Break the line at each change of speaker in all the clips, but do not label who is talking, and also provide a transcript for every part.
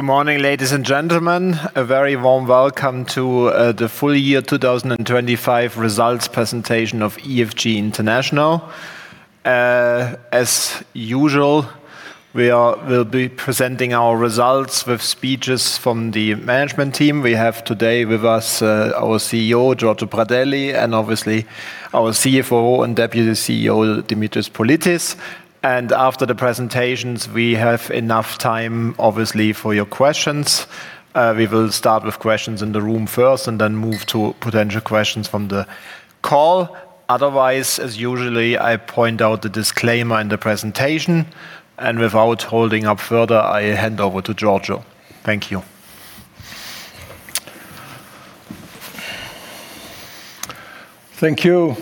Good morning, ladies and gentlemen. A very warm welcome to the full year 2025 results presentation of EFG International. As usual, we are, we'll be presenting our results with speeches from the management team. We have today with us our CEO, Giorgio Pradelli, and obviously our CFO and Deputy CEO, Dimitris Politis. And after the presentations, we have enough time, obviously, for your questions. We will start with questions in the room first, and then move to potential questions from the call. Otherwise, as usual, I point out the disclaimer in the presentation, and without holding up further, I hand over to Giorgio. Thank you.
Thank you.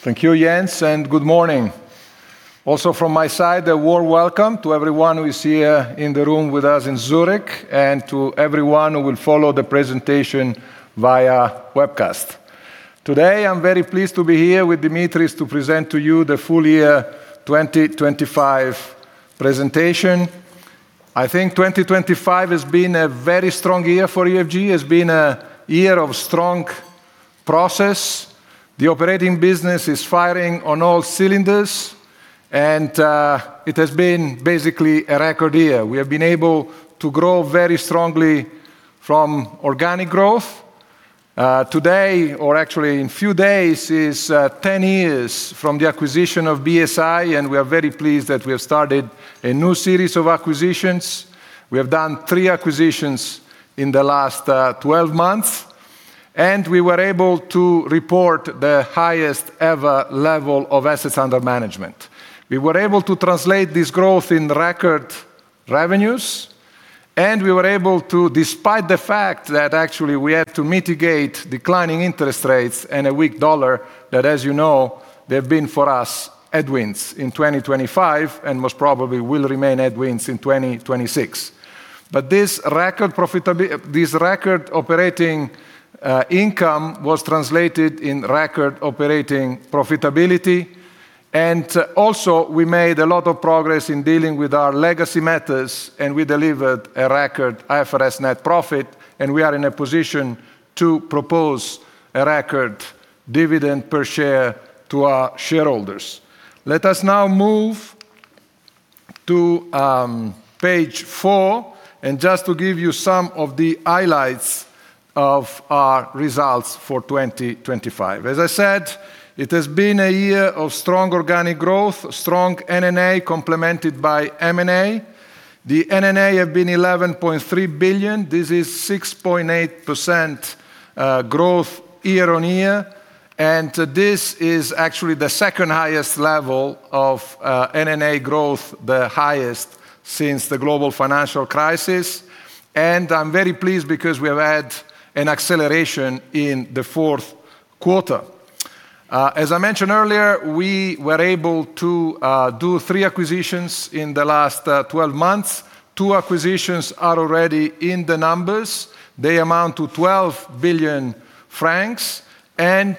Thank you, Jens, and good morning. Also, from my side, a warm welcome to everyone who is here in the room with us in Zurich, and to everyone who will follow the presentation via webcast. Today, I'm very pleased to be here with Dimitris to present to you the full year 2025 presentation. I think 2025 has been a very strong year for EFG, has been a year of strong process. The operating business is firing on all cylinders, and it has been basically a record year. We have been able to grow very strongly from organic growth. Today, or actually in few days, is 10 years from the acquisition of BSI, and we are very pleased that we have started a new series of acquisitions. We have done three acquisitions in the last twelve months, and we were able to report the highest ever level of assets under management. We were able to translate this growth in record revenues, and we were able to, despite the fact that actually we had to mitigate declining interest rates and a weak dollar, that, as you know, they've been for us headwinds in 2025, and most probably will remain headwinds in 2026. But this record profitability, this record operating income was translated in record operating profitability, and also, we made a lot of progress in dealing with our legacy matters, and we delivered a record IFRS net profit, and we are in a position to propose a record dividend per share to our shareholders. Let us now move to page 4, and just to give you some of the highlights of our results for 2025. As I said, it has been a year of strong organic growth, strong NNA, complemented by M&A. The NNA have been 11.3 billion. This is 6.8% growth year-on-year, and this is actually the second highest level of NNA growth, the highest since the Global Financial Crisis, and I'm very pleased because we have had an acceleration in the fourth quarter. As I mentioned earlier, we were able to do three acquisitions in the last 12 months. Two acquisitions are already in the numbers. They amount to 12 billion francs, and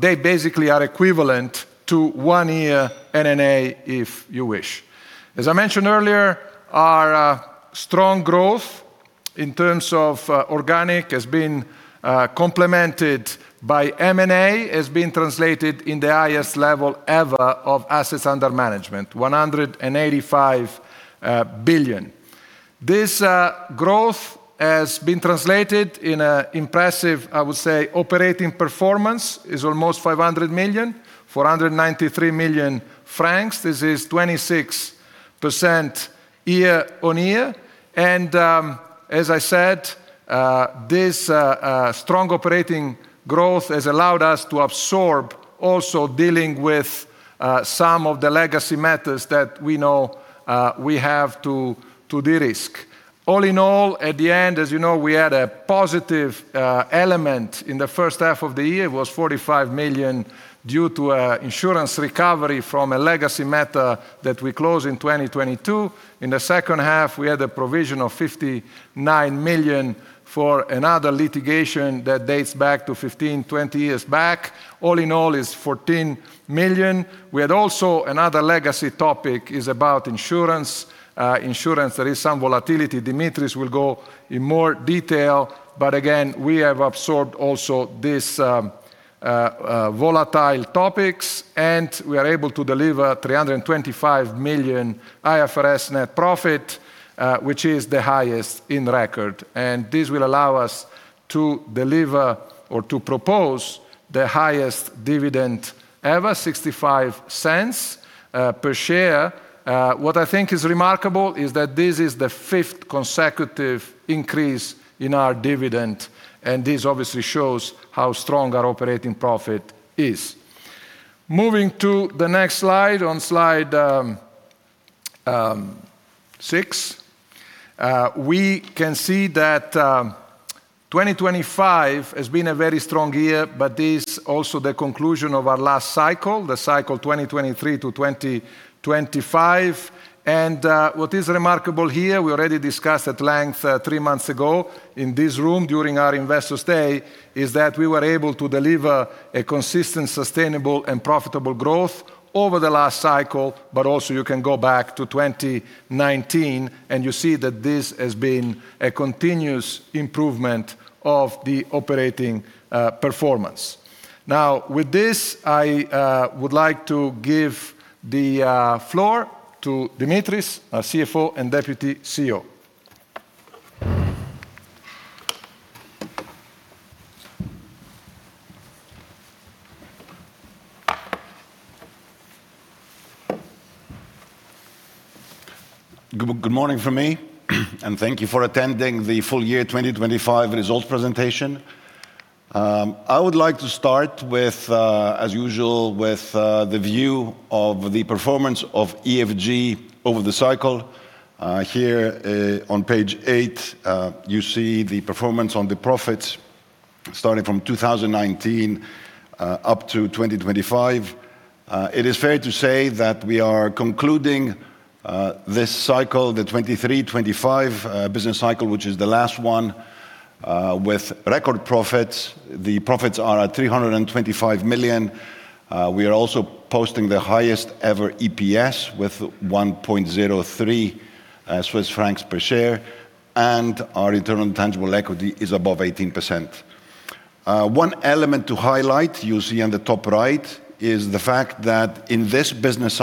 they basically are equivalent to one year NNA, if you wish. As I mentioned earlier, our strong growth in terms of organic has been complemented by M&A, has been translated in the highest level ever of assets under management, 185 billion. This growth has been translated in an impressive, I would say, operating performance, is almost 500 million, 493 million francs. This is 26% year-on-year, and, as I said, this strong operating growth has allowed us to absorb also dealing with some of the legacy matters that we know we have to, to de-risk. All in all, at the end, as you know, we had a positive element in the first half of the year, was 45 million, due to an insurance recovery from a legacy matter that we closed in 2022. In the second half, we had a provision of 59 million for another litigation that dates back 15-20 years back. All in all, is 14 million. We had also another legacy topic, is about insurance. Insurance, there is some volatility. Dimitris will go in more detail, but again, we have absorbed also this, volatile topics, and we are able to deliver 325 million IFRS net profit, which is the highest in record. And this will allow us to deliver or to propose the highest dividend ever, 0.65 per share. What I think is remarkable is that this is the fifth consecutive increase in our dividend, and this obviously shows how strong our operating profit is. Moving to the next slide, on slide 6, we can see that 2025 has been a very strong year, but this also the conclusion of our last cycle, the cycle 2023 to 2025. What is remarkable here, we already discussed at length three months ago in this room during our Investors' Day, is that we were able to deliver a consistent, sustainable, and profitable growth over the last cycle, but also you can go back to 2019, and you see that this has been a continuous improvement of the operating performance. Now, with this, I would like to give the floor to Dimitris, our CFO and Deputy CEO.
Good morning from me, and thank you for attending the full year 2025 results presentation. I would like to start with, as usual, with the view of the performance of EFG over the cycle. Here, on page 8, you see the performance on the profits starting from 2019 up to 2025. It is fair to say that we are concluding this cycle, the 2023-2025 business cycle, which is the last one, with record profits. The profits are at 325 million. We are also posting the highest ever EPS with 1.03 Swiss francs per share, and our return on tangible equity is above 18%. One element to highlight, you'll see on the top right, is the fact that in this business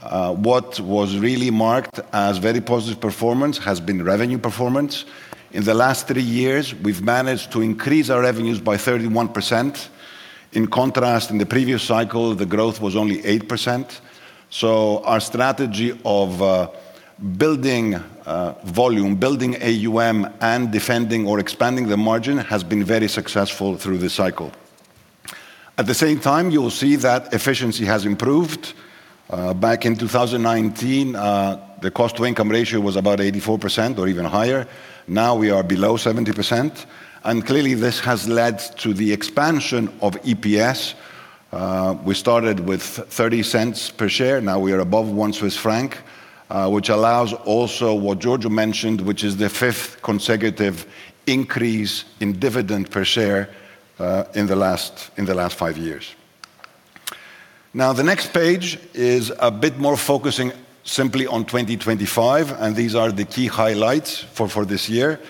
cycle, what was really marked as very positive performance has been revenue performance. In the last three years, we've managed to increase our revenues by 31%. In contrast, in the previous cycle, the growth was only 8%. So our strategy of building volume, building AUM, and defending or expanding the margin has been very successful through this cycle. At the same time, you'll see that efficiency has improved. Back in 2019, the cost-to-income ratio was about 84% or even higher. Now we are below 70%, and clearly, this has led to the expansion of EPS. We started with 30 cents per share, now we are above 1 Swiss franc, which allows also what Giorgio mentioned, which is the 5th consecutive increase in dividend per share, in the last, in the last five years. Now, the next page is a bit more focusing simply on 2025, and these are the key highlights for, for this year.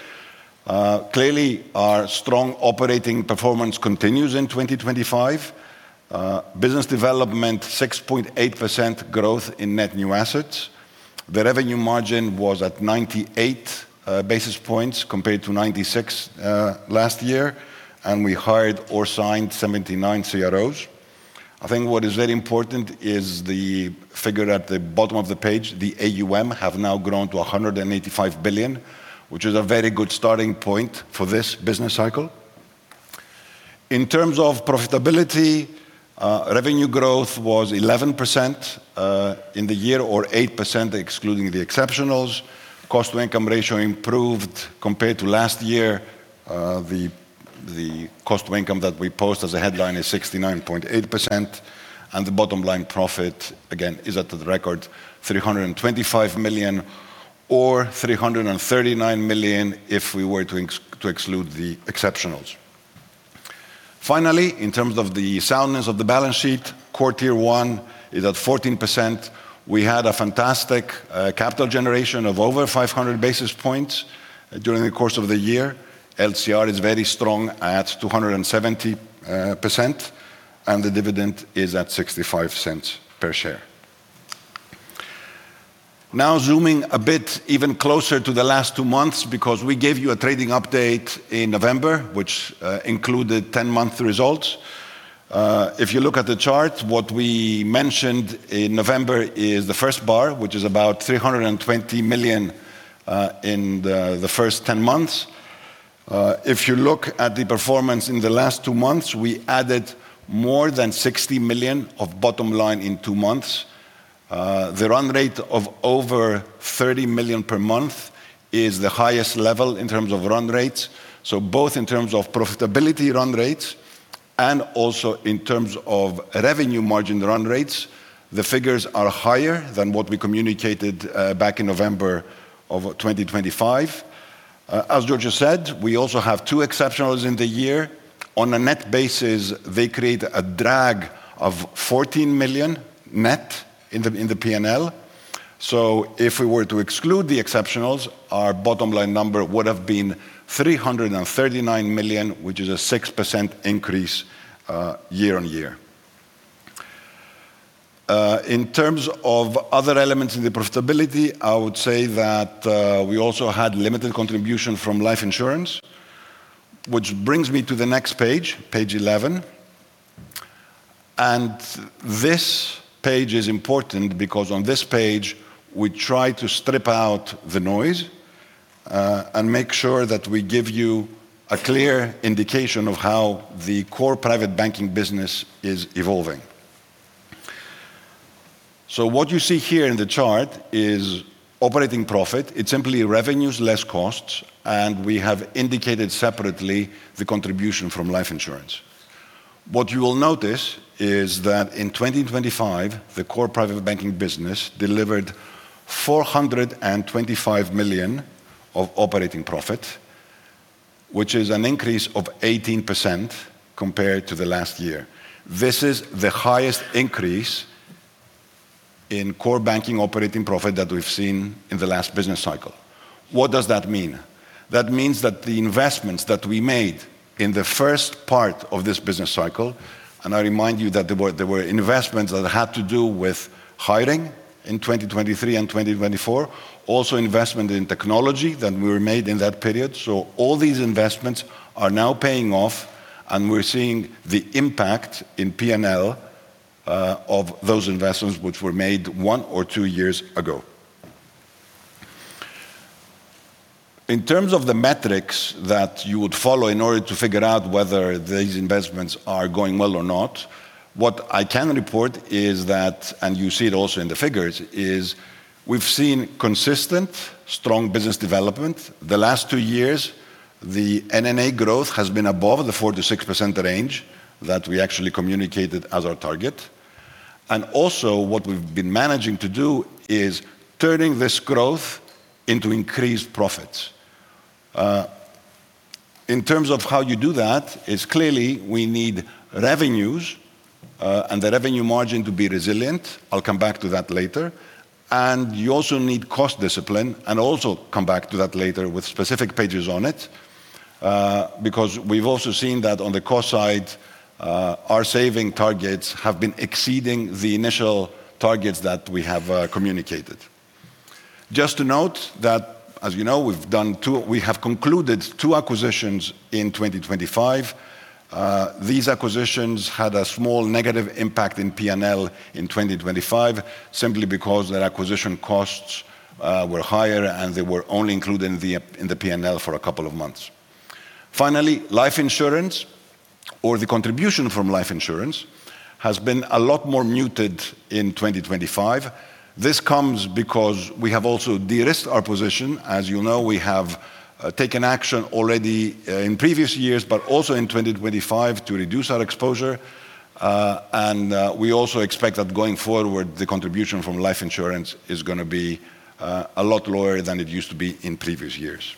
Clearly, our strong operating performance continues in 2025. Business development, 6.8% growth in net new assets. The revenue margin was at 98 basis points compared to 96 last year, and we hired or signed 79 CROs. I think what is very important is the figure at the bottom of the page. The AUM have now grown to 185 billion, which is a very good starting point for this business cycle. In terms of profitability, revenue growth was 11% in the year, or 8%, excluding the exceptionals. Cost-to-income ratio improved compared to last year. The cost-to-income that we post as a headline is 69.8%, and the bottom line profit, again, is at the record, 325 million or 339 million if we were to ex- to exclude the exceptionals. Finally, in terms of the soundness of the balance sheet, Core Tier 1 is at 14%. We had a fantastic capital generation of over 500 basis points during the course of the year. LCR is very strong at 270%, and the dividend is at 0.65 per share. Now, zooming a bit even closer to the last two months, because we gave you a trading update in November, which included ten-month results. If you look at the chart, what we mentioned in November is the first bar, which is about 320 million in the first ten months. If you look at the performance in the last two months, we added more than 60 million of bottom line in two months. The run rate of over 30 million per month is the highest level in terms of run rates. So both in terms of profitability run rates and also in terms of revenue margin run rates, the figures are higher than what we communicated back in November of 2025. As Giorgio said, we also have two exceptionals in the year. On a net basis, they create a drag of 14 million net in the, in the P&L. If we were to exclude the exceptionals, our bottom-line number would have been 339 million, which is a 6% increase year-over-year. In terms of other elements in the profitability, I would say that we also had limited contribution from life insurance, which brings me to the next page, page 11. This page is important because on this page, we try to strip out the noise and make sure that we give you a clear indication of how the core private banking business is evolving. What you see here in the chart is operating profit. It's simply revenues less costs, and we have indicated separately the contribution from life insurance. What you will notice is that in 2025, the core private banking business delivered 425 million of operating profit, which is an increase of 18% compared to the last year. This is the highest increase in core banking operating profit that we've seen in the last business cycle. What does that mean? That means that the investments that we made in the first part of this business cycle, and I remind you that they were, they were investments that had to do with hiring in 2023 and 2024, also investment in technology that were made in that period. So all these investments are now paying off, and we're seeing the impact in P&L of those investments which were made one or two years ago. In terms of the metrics that you would follow in order to figure out whether these investments are going well or not, what I can report is that, and you see it also in the figures, is we've seen consistent, strong business development. The last two years, the NNA growth has been above the 4%-6% range that we actually communicated as our target. And also, what we've been managing to do is turning this growth into increased profits. In terms of how you do that, is clearly we need revenues, and the revenue margin to be resilient. I'll come back to that later. You also need cost discipline, and also come back to that later with specific pages on it, because we've also seen that on the cost side, our saving targets have been exceeding the initial targets that we have communicated. Just to note that, as you know, we have concluded 2 acquisitions in 2025. These acquisitions had a small negative impact in P&L in 2025, simply because their acquisition costs were higher, and they were only included in the P&L for a couple of months. Finally, life insurance or the contribution from life insurance has been a lot more muted in 2025. This comes because we have also de-risked our position. As you know, we have taken action already in previous years, but also in 2025 to reduce our exposure. We also expect that going forward, the contribution from life insurance is gonna be a lot lower than it used to be in previous years.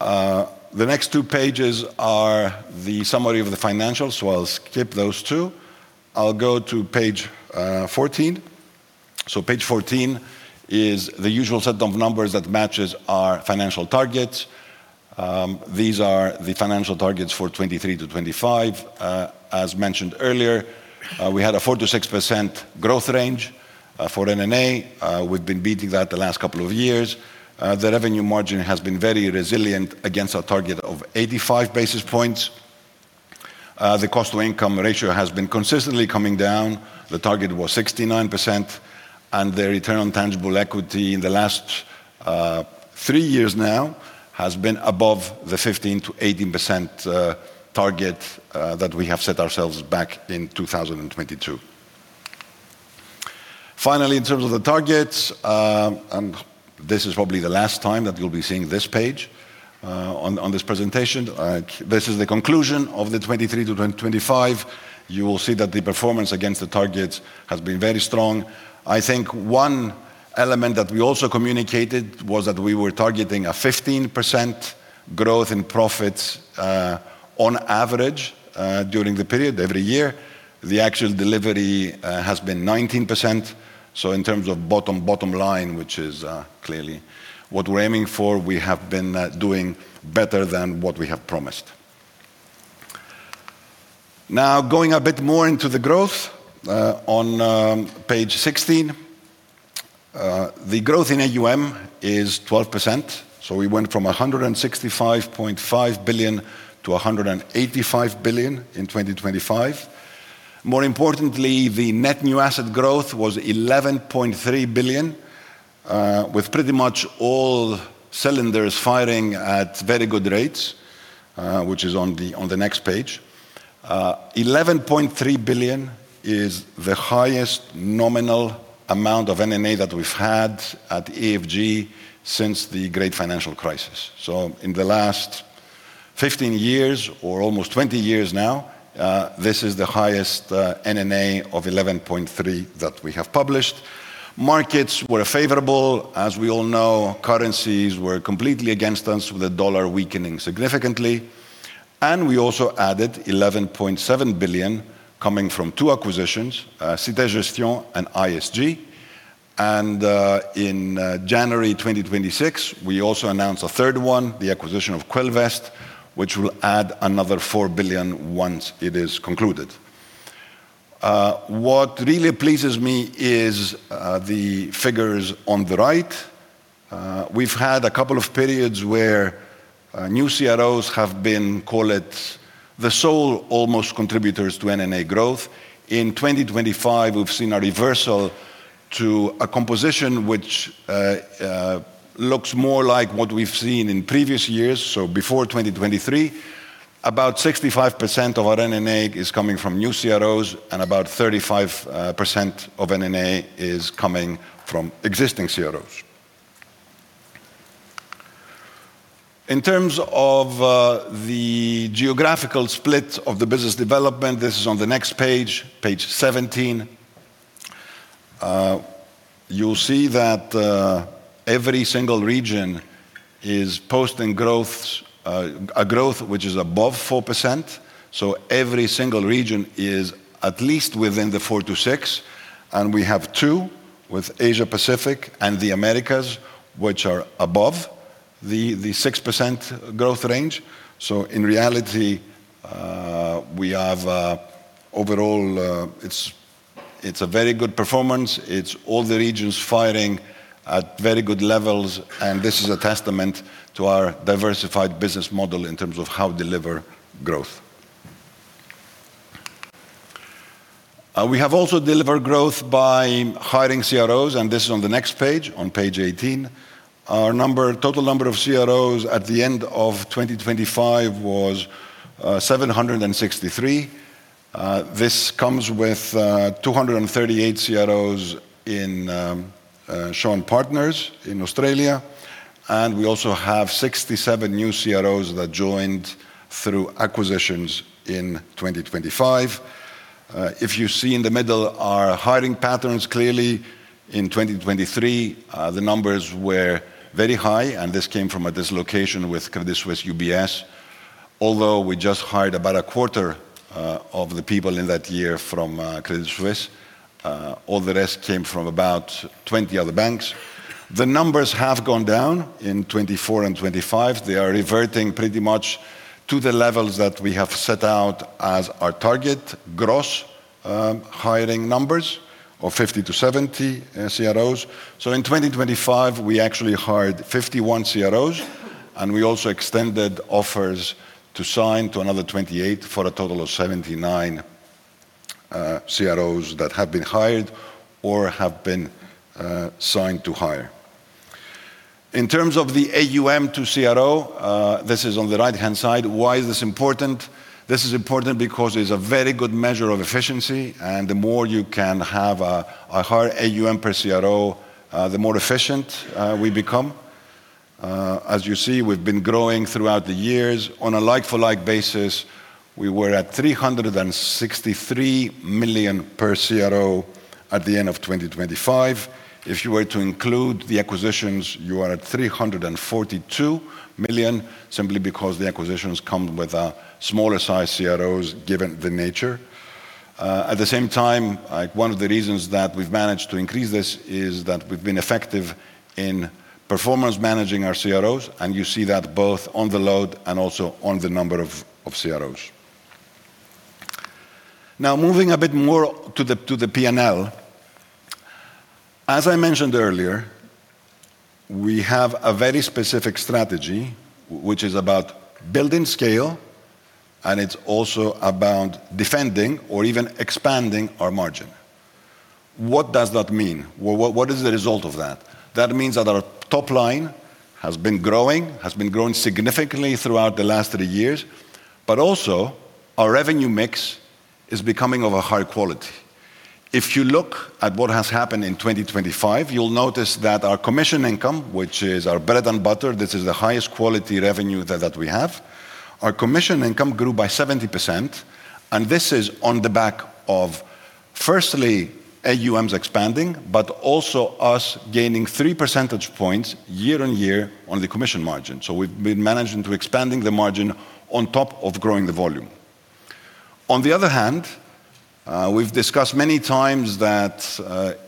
The next two pages are the summary of the financials, so I'll skip those two. I'll go to page 14. Page 14 is the usual set of numbers that matches our financial targets. These are the financial targets for 2023-2025. As mentioned earlier, we had a 4%-6% growth range for NNA. We've been beating that the last couple of years. The revenue margin has been very resilient against our target of 85 basis points. The cost-to-income ratio has been consistently coming down. The target was 69%, and the return on tangible equity in the last three years now has been above the 15%-18% target that we have set ourselves back in 2022. Finally, in terms of the targets, and this is probably the last time that you'll be seeing this page on this presentation. This is the conclusion of the 2023-2025. You will see that the performance against the targets has been very strong. I think one element that we also communicated was that we were targeting a 15% growth in profits on average during the period, every year. The actual delivery has been 19%. So in terms of bottom line, which is clearly what we're aiming for, we have been doing better than what we have promised. Now, going a bit more into the growth on page 16. The growth in AUM is 12%, so we went from 165.5 billion to 185 billion in 2025. More importantly, the net new asset growth was 11.3 billion with pretty much all cylinders firing at very good rates, which is on the next page. Eleven point three billion is the highest nominal amount of NNA that we've had at EFG since the Great Financial Crisis. So in the last 15 years or almost 20 years now, this is the highest NNA of 11.3 that we have published. Markets were favorable. As we all know, currencies were completely against us, with the dollar weakening significantly. We also added 11.7 billion coming from two acquisitions, Cité Gestion and ISG. In January 2026, we also announced a third one, the acquisition of Quilvest, which will add another 4 billion once it is concluded. What really pleases me is the figures on the right. We've had a couple of periods where new CROs have been, call it, the sole almost contributors to NNA growth. In 2025, we've seen a reversal to a composition which looks more like what we've seen in previous years. Before 2023, about 65% of our NNA is coming from new CROs, and about 35% of NNA is coming from existing CROs. In terms of the geographical split of the business development, this is on the next page, page 17. You'll see that every single region is posting growths, a growth which is above 4%, so every single region is at least within the 4%-6%, and we have two, with Asia-Pacific and the Americas, which are above the six percent growth range. So in reality, we have overall, it's a very good performance. It's all the regions fighting at very good levels, and this is a testament to our diversified business model in terms of how deliver growth. We have also delivered growth by hiring CROs, and this is on the next page, on page 18. Our number, total number of CROs at the end of 2025 was 763. This comes with 238 CROs in Shaw and Partners in Australia, and we also have 67 new CROs that joined through acquisitions in 2025. If you see in the middle, our hiring patterns, clearly in 2023, the numbers were very high, and this came from a dislocation with Credit Suisse UBS. Although we just hired about a quarter of the people in that year from Credit Suisse, all the rest came from about 20 other banks. The numbers have gone down in 2024 and 2025. They are reverting pretty much to the levels that we have set out as our target. Gross hiring numbers of 50-70 CROs. So in 2025, we actually hired 51 CROs, and we also extended offers to sign to another 28 for a total of 79 CROs that have been hired or have been signed to hire. In terms of the AUM to CRO, this is on the right-hand side. Why is this important? This is important because it's a very good measure of efficiency, and the more you can have a higher AUM per CRO, the more efficient we become. As you see, we've been growing throughout the years. On a like-for-like basis, we were at 363 million per CRO at the end of 2025. If you were to include the acquisitions, you are at 342 million, simply because the acquisitions come with smaller size CROs, given the nature. At the same time, one of the reasons that we've managed to increase this is that we've been effective in performance managing our CROs, and you see that both on the load and also on the number of CROs. Now, moving a bit more to the P&L. As I mentioned earlier, we have a very specific strategy, which is about building scale, and it's also about defending or even expanding our margin. What does that mean? Well, what is the result of that? That means that our top line has been growing, has been growing significantly throughout the last three years, but also our revenue mix is becoming of a higher quality. If you look at what has happened in 2025, you'll notice that our commission income, which is our bread and butter, this is the highest quality revenue that we have. Our commission income grew by 70%, and this is on the back of, firstly, AUMs expanding, but also us gaining three percentage points year-on-year on the commission margin. So we've been managing to expanding the margin on top of growing the volume. On the other hand, we've discussed many times that,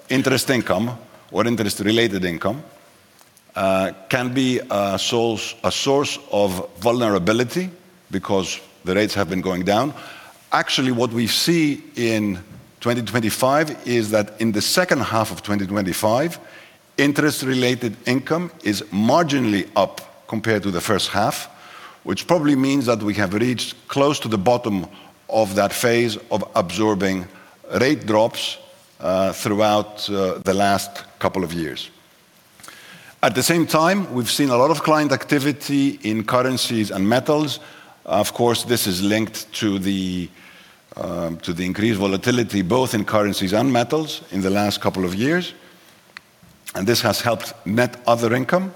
interest income or interest-related income, can be a source, a source of vulnerability because the rates have been going down. Actually, what we see in 2025 is that in the second half of 2025, interest-related income is marginally up compared to the first half, which probably means that we have reached close to the bottom of that phase of absorbing rate drops, throughout, the last couple of years. At the same time, we've seen a lot of client activity in currencies and metals. Of course, this is linked to the increased volatility, both in currencies and metals in the last couple of years, and this has helped net other income.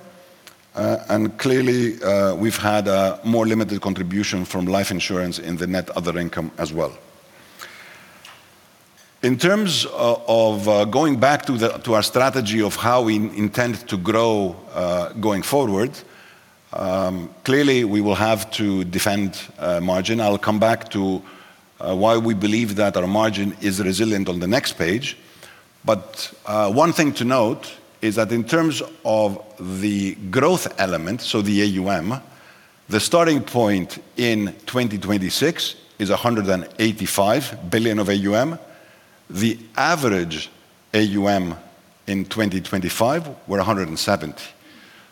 And clearly, we've had a more limited contribution from life insurance in the net other income as well. In terms of going back to our strategy of how we intend to grow going forward, clearly, we will have to defend margin. I'll come back to why we believe that our margin is resilient on the next page. But one thing to note is that in terms of the growth element, so the AUM, the starting point in 2026 is 185 billion of AUM. The average AUM in 2025 were 170 billion.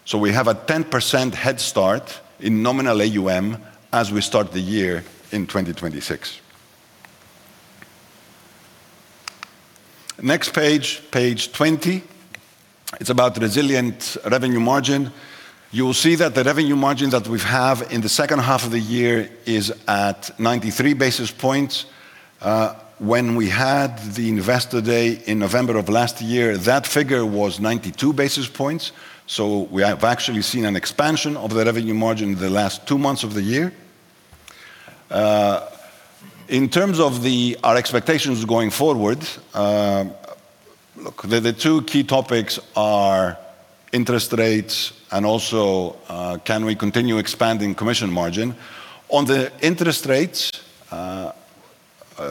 So we have a 10% head start in nominal AUM as we start the year in 2026. Next page, page 20. It's about resilient revenue margin. You will see that the revenue margin that we've have in the second half of the year is at 93 basis points. When we had the Investor Day in November of last year, that figure was 92 basis points. So we have actually seen an expansion of the revenue margin in the last two months of the year. In terms of our expectations going forward, look, the two key topics are interest rates and also, can we continue expanding commission margin? On the interest rates,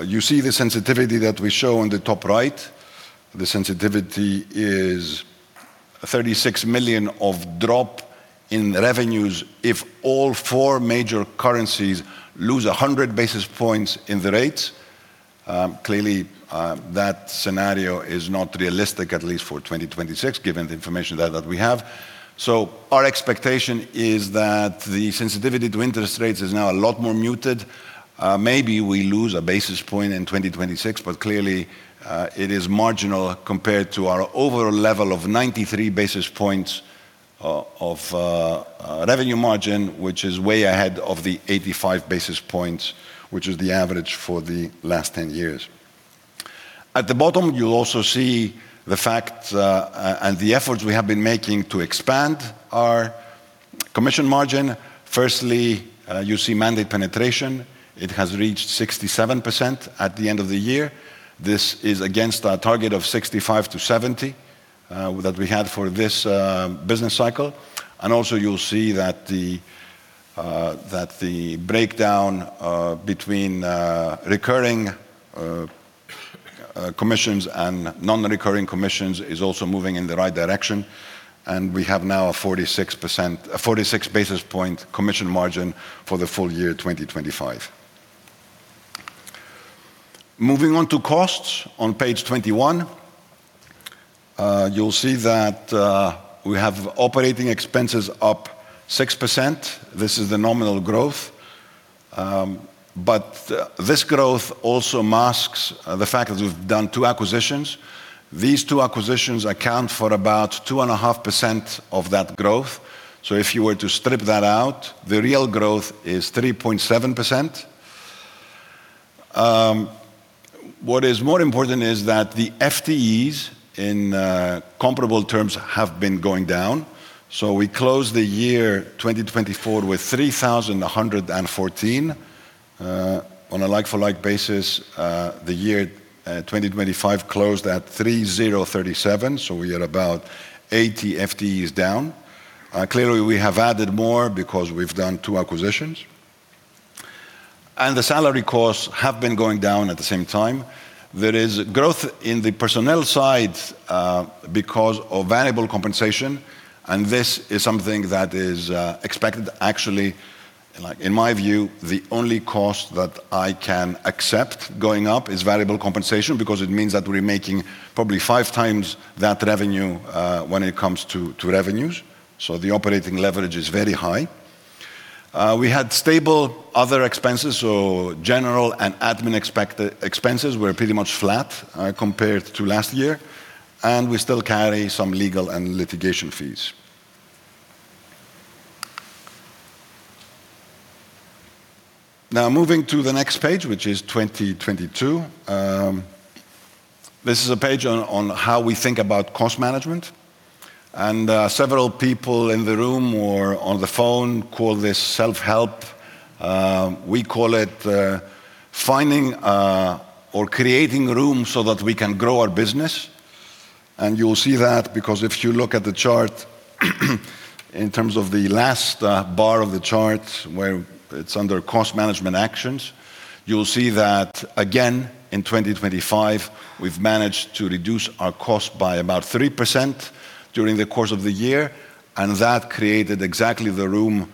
you see the sensitivity that we show on the top right. The sensitivity is 36 million of drop in revenues if all four major currencies lose 100 basis points in the rates. Clearly, that scenario is not realistic, at least for 2026, given the information that, that we have. Our expectation is that the sensitivity to interest rates is now a lot more muted. Maybe we lose a basis point in 2026, but clearly, it is marginal compared to our overall level of 93 basis points of revenue margin, which is way ahead of the 85 basis points, which is the average for the last 10 years. At the bottom, you'll also see the facts, and the efforts we have been making to expand our commission margin. Firstly, you see mandate penetration. It has reached 67% at the end of the year. This is against our target of 65-70 that we had for this business cycle. Also, you'll see that the breakdown between recurring commissions and non-recurring commissions is also moving in the right direction, and we have now a 46 basis point commission margin for the full year 2025. Moving on to costs on page 21. You'll see that we have operating expenses up 6%. This is the nominal growth. This growth also masks the fact that we've done two acquisitions. These two acquisitions account for about 2.5% of that growth. If you were to strip that out, the real growth is 3.7%. What is more important is that the FTEs, in comparable terms, have been going down. So we closed the year 2024 with 3,114. On a like-for-like basis, the year 2025 closed at 3,037, so we are about 80 FTEs down. Clearly, we have added more because we've done two acquisitions, and the salary costs have been going down at the same time. There is growth in the personnel side, because of variable compensation, and this is something that is expected. Actually, like, in my view, the only cost that I can accept going up is variable compensation because it means that we're making probably five times that revenue, when it comes to, to revenues. So the operating leverage is very high. We had stable other expenses, so general and admin expenses were pretty much flat, compared to last year, and we still carry some legal and litigation fees. Now, moving to the next page, which is 2022. This is a page on how we think about cost management, and several people in the room or on the phone call this self-help. We call it finding or creating room so that we can grow our business. You'll see that because if you look at the chart, in terms of the last bar of the chart, where it's under Cost Management Actions, you'll see that again, in 2025, we've managed to reduce our cost by about 3% during the course of the year, and that created exactly the room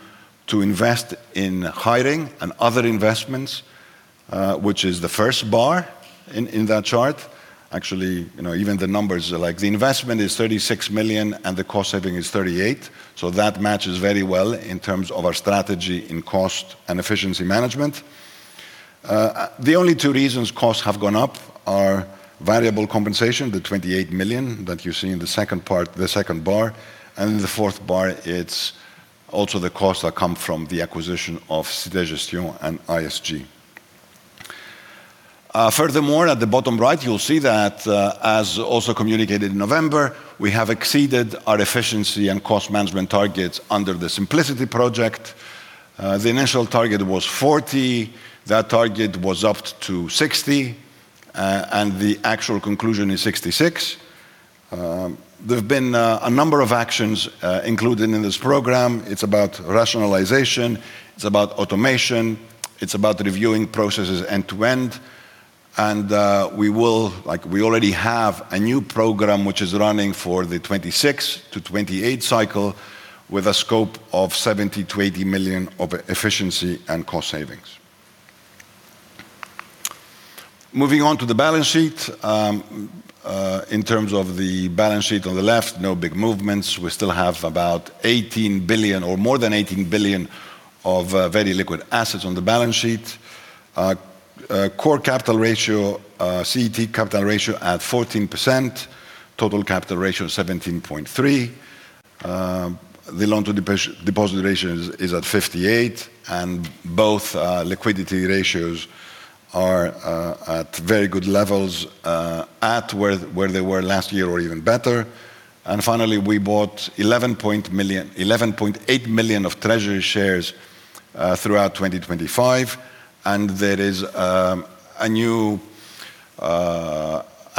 to invest in hiring and other investments, which is the first bar in that chart. Actually, you know, even the numbers are like the investment is 36 million, and the cost saving is 38 million. So that matches very well in terms of our strategy in cost and efficiency management. The only two reasons costs have gone up are variable compensation, the 28 million that you see in the second part, the second bar, and the fourth bar, it's also the costs that come from the acquisition of Cité Gestion and ISG. Furthermore, at the bottom right, you'll see that, as also communicated in November, we have exceeded our efficiency and cost management targets under the Simplicity Project. The initial target was 40. That target was upped to 60, and the actual conclusion is 66. There have been a number of actions included in this program. It's about rationalization, it's about automation, it's about reviewing processes end to end, and, like, we already have a new program which is running for the 2026-2028 cycle with a scope of 70-80 million of efficiency and cost savings. Moving on to the balance sheet. In terms of the balance sheet on the left, no big movements. We still have about 18 billion or more than 18 billion of very liquid assets on the balance sheet. Core capital ratio, CET1 capital ratio at 14%, total capital ratio, 17.3%. The loan to deposit ratio is at 58%, and both liquidity ratios are at very good levels, at where they were last year or even better. Finally, we bought 11.8 million of treasury shares throughout 2025, and there is a new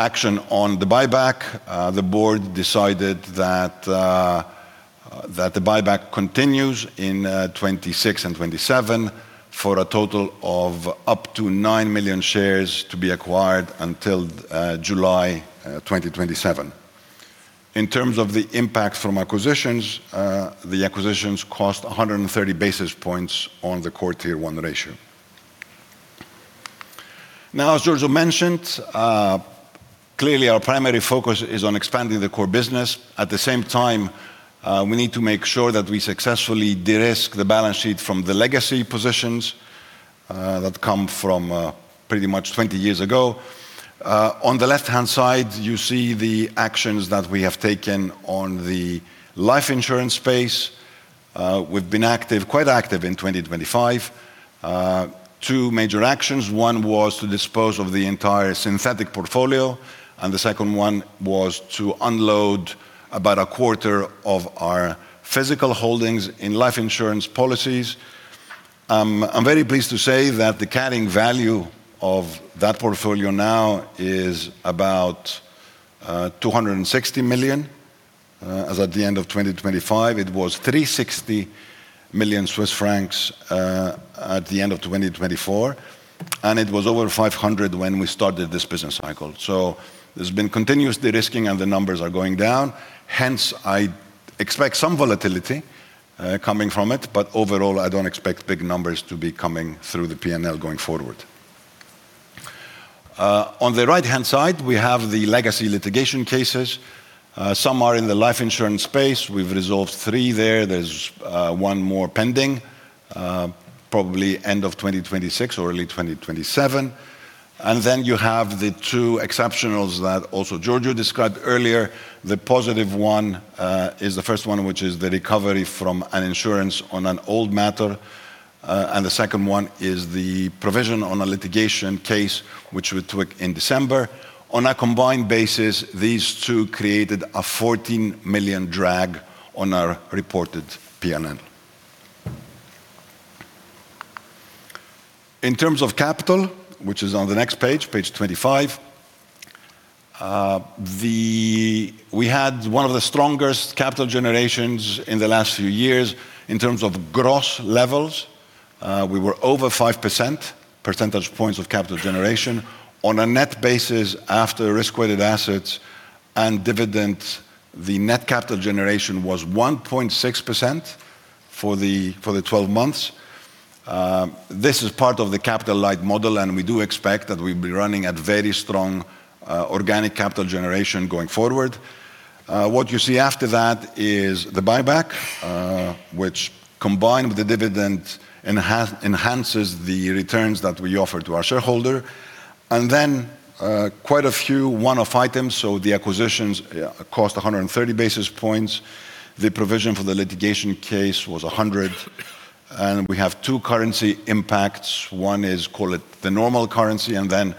action on the buyback. The board decided that the buyback continues in 2026 and 2027, for a total of up to 9 million shares to be acquired until July 2027. In terms of the impact from acquisitions, the acquisitions cost 130 basis points on the core Tier 1 ratio. Now, as Giorgio mentioned, clearly our primary focus is on expanding the core business. At the same time, we need to make sure that we successfully de-risk the balance sheet from the legacy positions, that come from, pretty much 20 years ago. On the left-hand side, you see the actions that we have taken on the life insurance space. We've been active, quite active in 2025. 2 major actions, one was to dispose of the entire synthetic portfolio, and the second one was to unload about a quarter of our physical holdings in life insurance policies. I'm very pleased to say that the carrying value of that portfolio now is about, 260 million, as at the end of 2025. It was 360 million Swiss francs at the end of 2024, and it was over 500 million when we started this business cycle. So there's been continuous de-risking, and the numbers are going down. Hence, I expect some volatility coming from it, but overall, I don't expect big numbers to be coming through the P&L going forward. On the right-hand side, we have the legacy litigation cases. Some are in the life insurance space. We've resolved three there. There's one more pending, probably end of 2026 or early 2027. And then you have the two exceptionals that also Giorgio described earlier. The positive one is the first one, which is the recovery from an insurance on an old matter. And the second one is the provision on a litigation case, which we took in December. On a combined basis, these two created a 14 million drag on our reported P&L. In terms of capital, which is on the next page, page 25, we had one of the strongest capital generations in the last few years. In terms of gross levels, we were over 5 percentage points of capital generation. On a net basis, after risk-weighted assets and dividends, the net capital generation was 1.6% for the 12 months. This is part of the capital light model, and we do expect that we'll be running at very strong organic capital generation going forward. What you see after that is the buyback, which, combined with the dividend, enhances the returns that we offer to our shareholder. And then, quite a few one-off items, so the acquisitions cost 130 basis points. The provision for the litigation case was 100, and we have two currency impacts. One is, call it, the normal currency, and then,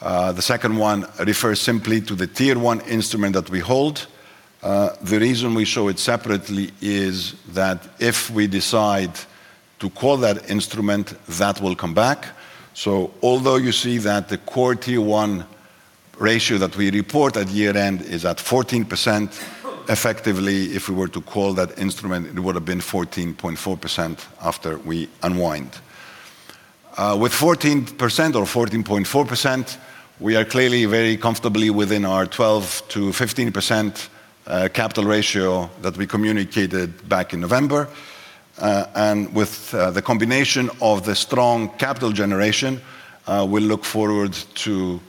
the second one refers simply to the Tier 1 instrument that we hold. The reason we show it separately is that if we decide to call that instrument, that will come back. So although you see that the core Tier 1 ratio that we report at year-end is at 14%, effectively, if we were to call that instrument, it would have been 14.4% after we unwind. With 14% or 14.4%, we are clearly very comfortably within our 12%-15% capital ratio that we communicated back in November. And with the combination of the strong capital generation, we look forward to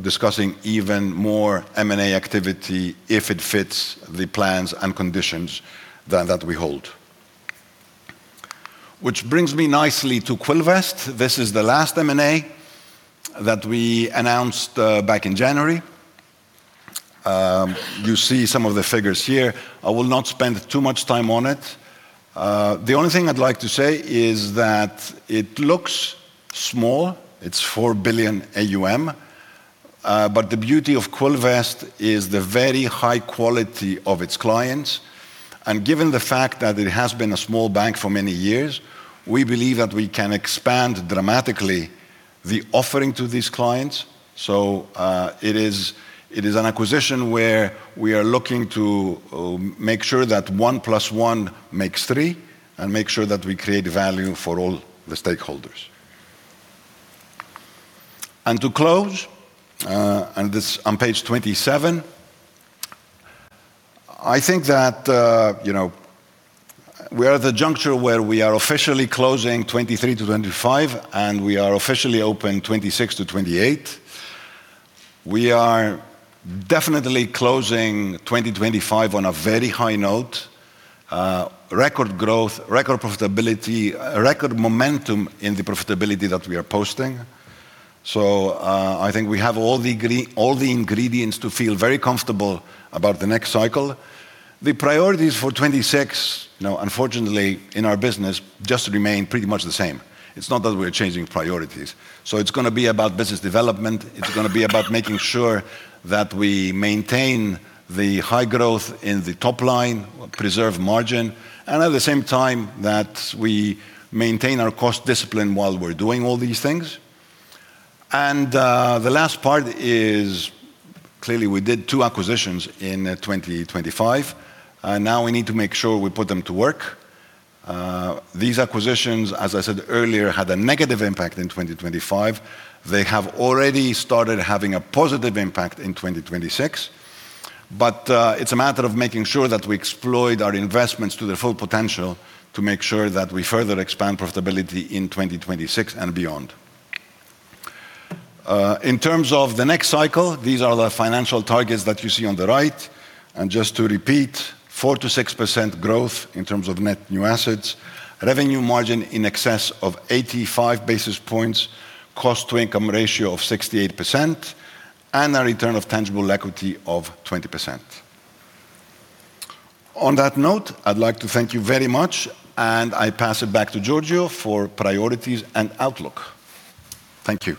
discussing even more M&A activity if it fits the plans and conditions that, that we hold. Which brings me nicely to Quilvest. This is the last M&A that we announced back in January. You see some of the figures here. I will not spend too much time on it. The only thing I'd like to say is that it looks small. It's 4 billion AUM, but the beauty of Quilvest is the very high quality of its clients, and given the fact that it has been a small bank for many years, we believe that we can expand dramatically the offering to these clients. So, it is an acquisition where we are looking to make sure that one plus one makes three and make sure that we create value for all the stakeholders. And to close this on page 27, I think that, you know, we are at the juncture where we are officially closing 2023-2025, and we are officially opening 2026-2028. We are definitely closing 2025 on a very high note. Record growth, record profitability, record momentum in the profitability that we are posting. So, I think we have all the ingredients to feel very comfortable about the next cycle. The priorities for 2026, you know, unfortunately, in our business, just remain pretty much the same. It's not that we're changing priorities. So it's gonna be about business development, it's gonna be about making sure that we maintain the high growth in the top line, preserve margin, and at the same time, that we maintain our cost discipline while we're doing all these things. And, the last part is, clearly, we did two acquisitions in, 2025, now we need to make sure we put them to work. These acquisitions, as I said earlier, had a negative impact in 2025. They have already started having a positive impact in 2026, but, it's a matter of making sure that we exploit our investments to their full potential to make sure that we further expand profitability in 2026 and beyond. In terms of the next cycle, these are the financial targets that you see on the right, and just to repeat, 4%-6% growth in terms of net new assets, revenue margin in excess of 85 basis points, cost-to-income ratio of 68%, and a return of tangible equity of 20%. On that note, I'd like to thank you very much, and I pass it back to Giorgio for priorities and outlook. Thank you.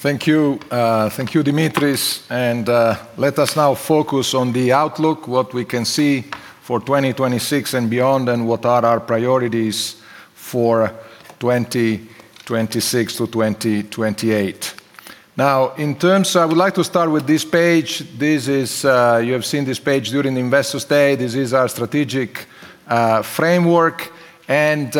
Thank you. Thank you, Dimitris, and let us now focus on the outlook, what we can see for 2026 and beyond, and what are our priorities for 2026 to 2028. Now, I would like to start with this page. This is. You have seen this page during Investor Day. This is our strategic framework, and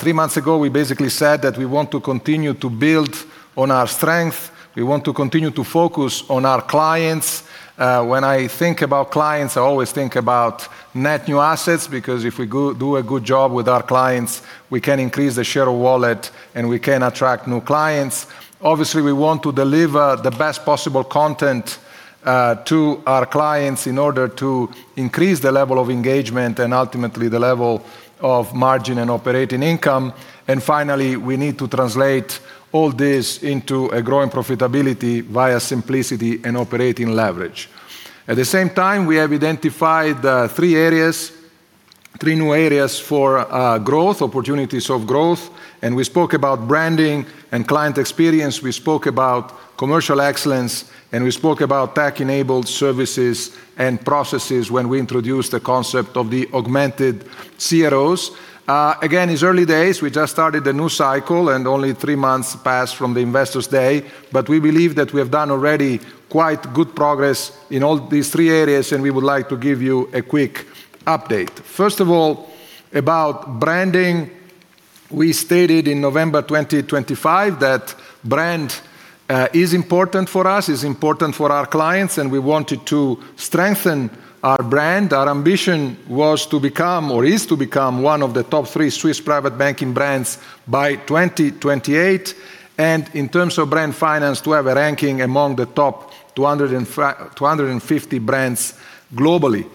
three months ago, we basically said that we want to continue to build on our strength. We want to continue to focus on our clients. When I think about clients, I always think about net new assets, because if we do a good job with our clients, we can increase the share of wallet, and we can attract new clients. Obviously, we want to deliver the best possible content to our clients in order to increase the level of engagement and ultimately the level of margin and operating income. And finally, we need to translate all this into a growing profitability via simplicity and operating leverage. At the same time, we have identified three areas, three new areas for growth, opportunities of growth, and we spoke about branding and client experience, we spoke about commercial excellence, and we spoke about tech-enabled services and processes when we introduced the concept of the augmented CROs. Again, it's early days. We just started a new cycle, and only three months passed from the Investors Day, but we believe that we have done already quite good progress in all these three areas, and we would like to give you a quick update. First of all, about branding. We stated in November 2025 that brand is important for us, is important for our clients, and we wanted to strengthen our brand. Our ambition was to become or is to become one of the top 3 Swiss private banking brands by 2028, and in terms of Brand Finance, to have a ranking among the top 250 brands globally.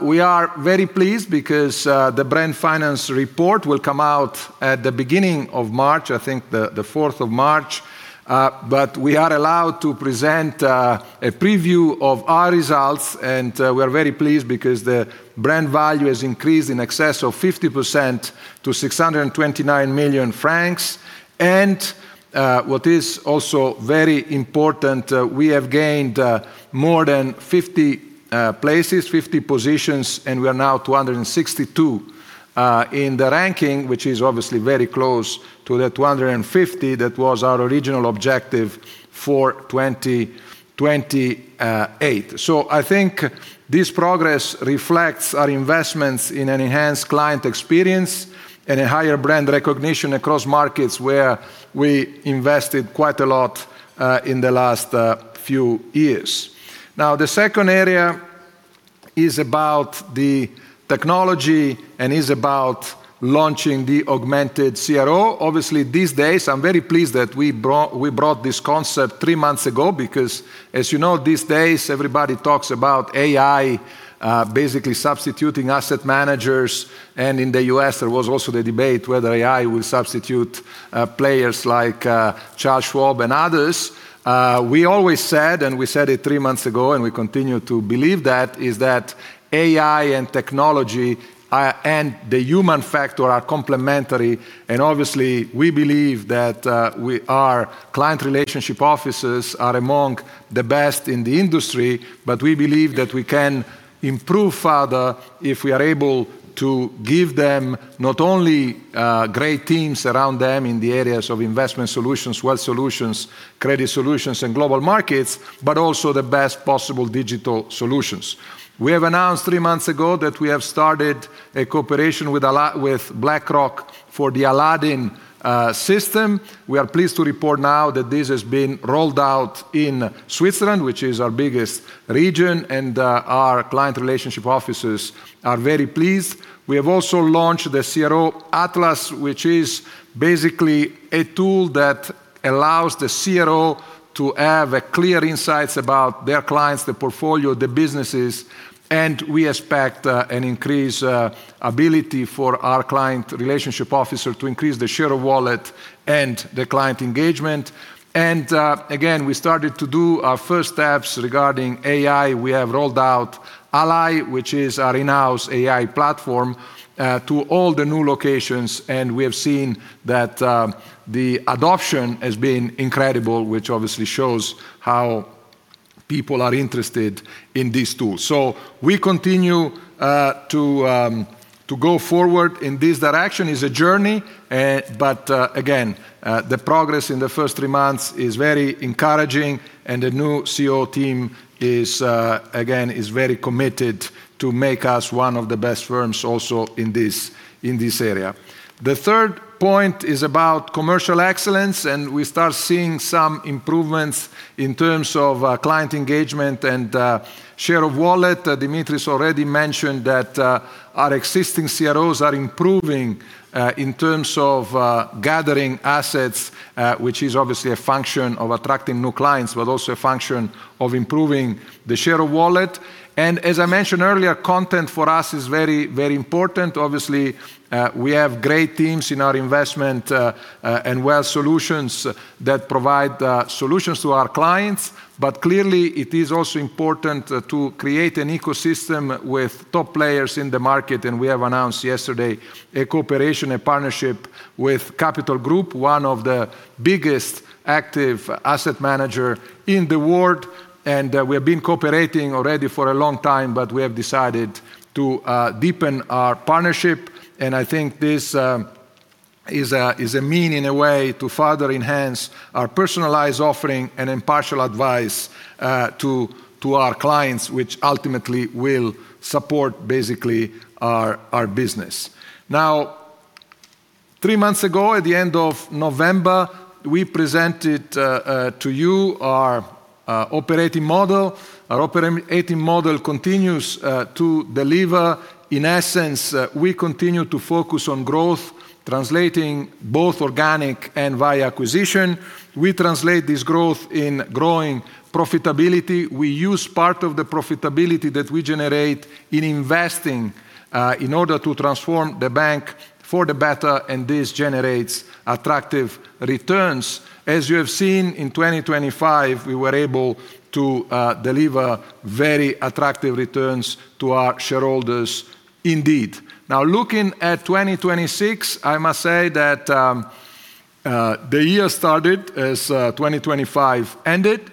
We are very pleased because the Brand Finance report will come out at the beginning of March, I think the fourth of March, but we are allowed to present a preview of our results, and we are very pleased because the brand value has increased in excess of 50% to 629 million francs. What is also very important, we have gained more than 50 places, 50 positions, and we are now 262 in the ranking, which is obviously very close to the 250 that was our original objective for 2028. So I think this progress reflects our investments in an enhanced client experience and a higher brand recognition across markets where we invested quite a lot in the last few years. Now, the second area is about the technology and is about launching the augmented CRO. Obviously, these days, I'm very pleased that we brought this concept three months ago because, as you know, these days, everybody talks about AI, basically substituting asset managers, and in the U.S., there was also the debate whether AI will substitute players like Charles Schwab and others. We always said, and we said it three months ago, and we continue to believe that, is that AI and technology and the human factor are complementary, and obviously, we believe that our client relationship officers are among the best in the industry, but we believe that we can improve further if we are able to give them not only great teams around them in the areas of investment solutions, wealth solutions, credit solutions, and global markets, but also the best possible digital solutions. We have announced three months ago that we have started a cooperation with BlackRock for the Aladdin system. We are pleased to report now that this has been rolled out in Switzerland, which is our biggest region, and our client relationship officers are very pleased. We have also launched the CRO Atlas, which is basically a tool that allows the CRO to have clear insights about their clients, the portfolio, the businesses, and we expect an increased ability for our client relationship officer to increase the share of wallet and the client engagement. And again, we started to do our first steps regarding AI. We have rolled out Ally, which is our in-house AI platform, to all the new locations, and we have seen that the adoption has been incredible, which obviously shows how people are interested in these tools. So we continue to go forward in this direction. It's a journey, but again, the progress in the first three months is very encouraging, and the new CEO team is again very committed to make us one of the best firms also in this area. The third point is about commercial excellence, and we start seeing some improvements in terms of client engagement and share of wallet. Dimitris already mentioned that our existing CROs are improving in terms of gathering assets, which is obviously a function of attracting new clients, but also a function of improving the share of wallet. And as I mentioned earlier, content for us is very, very important. Obviously, we have great teams in our investment and wealth solutions that provide solutions to our clients. But clearly, it is also important to create an ecosystem with top players in the market, and we have announced yesterday a cooperation, a partnership with Capital Group, one of the biggest active asset manager in the world. We have been cooperating already for a long time, but we have decided to deepen our partnership, and I think this is a mean in a way to further enhance our personalized offering and impartial advice to our clients, which ultimately will support basically our business. Now, three months ago, at the end of November, we presented to you our operating model. Our operating model continues to deliver. In essence, we continue to focus on growth, translating both organic and via acquisition. We translate this growth in growing profitability. We use part of the profitability that we generate in investing in order to transform the bank for the better, and this generates attractive returns. As you have seen, in 2025, we were able to deliver very attractive returns to our shareholders indeed. Now, looking at 2026, I must say that the year started as 2025 ended.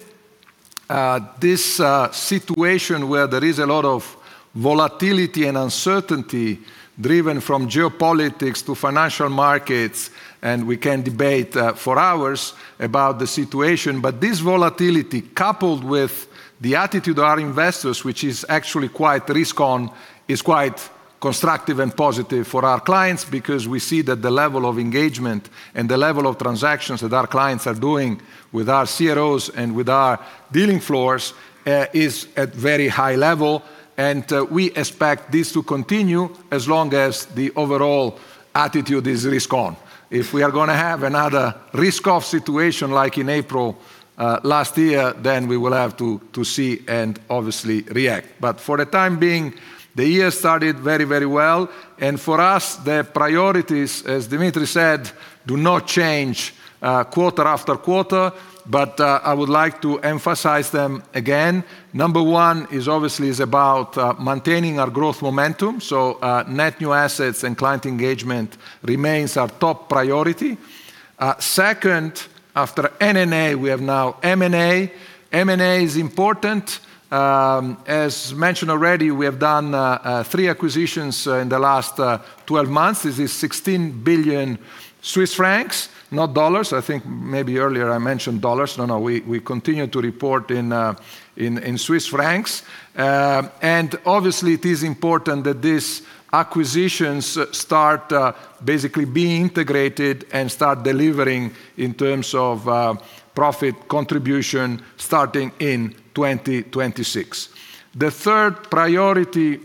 This situation where there is a lot of volatility and uncertainty driven from geopolitics to financial markets, and we can debate for hours about the situation. But this volatility, coupled with the attitude of our investors, which is actually quite risk-on, is quite constructive and positive for our clients because we see that the level of engagement and the level of transactions that our clients are doing with our CROs and with our dealing floors is at very high level, and we expect this to continue as long as the overall attitude is risk-on. If we are gonna have another risk-off situation like in April last year, then we will have to see and obviously react. But for the time being, the year started very, very well, and for us, the priorities, as Dimitris said, do not change quarter after quarter, but I would like to emphasize them again. Number one is obviously about maintaining our growth momentum, so net new assets and client engagement remains our top priority. Second, after NNA, we have now M&A. M&A is important. As mentioned already, we have done three acquisitions in the last 12 months. This is 16 billion Swiss francs, not dollars. I think maybe earlier I mentioned dollars. No, no, we continue to report in Swiss francs. And obviously it is important that these acquisitions start basically being integrated and start delivering in terms of profit contribution starting in 2026. The third priority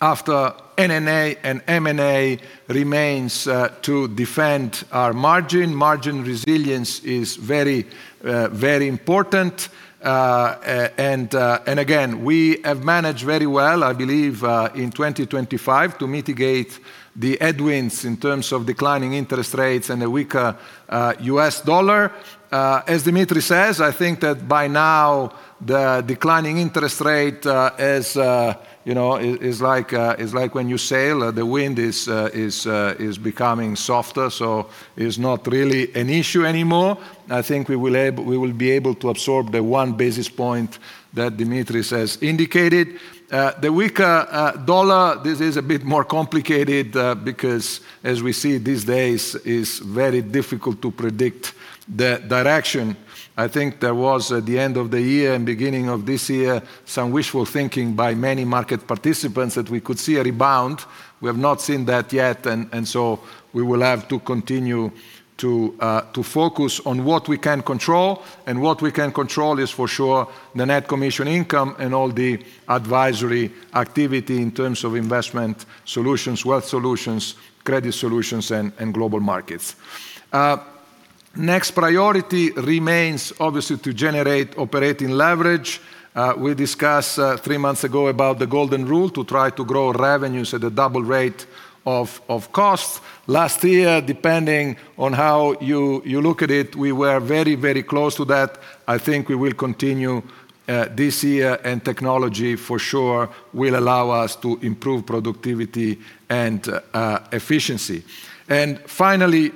after NNA and M&A remains to defend our margin. Margin resilience is very very important. And again, we have managed very well, I believe, in 2025, to mitigate the headwinds in terms of declining interest rates and a weaker U.S. dollar. As Dimitris says, I think that by now, the declining interest rate is, you know, is like when you sail, the wind is becoming softer, so it's not really an issue anymore. I think we will be able to absorb the one basis point that Dimitris has indicated. The weaker dollar, this is a bit more complicated, because as we see these days, it's very difficult to predict the direction. I think there was, at the end of the year and beginning of this year, some wishful thinking by many market participants that we could see a rebound. We have not seen that yet, and so we will have to continue to focus on what we can control, and what we can control is for sure the net commission income and all the advisory activity in terms of investment solutions, wealth solutions, credit solutions, and global markets. Next priority remains obviously to generate operating leverage. We discussed three months ago about the golden rule, to try to grow revenues at a double rate of costs. Last year, depending on how you look at it, we were very, very close to that. I think we will continue this year, and technology for sure will allow us to improve productivity and efficiency. And finally,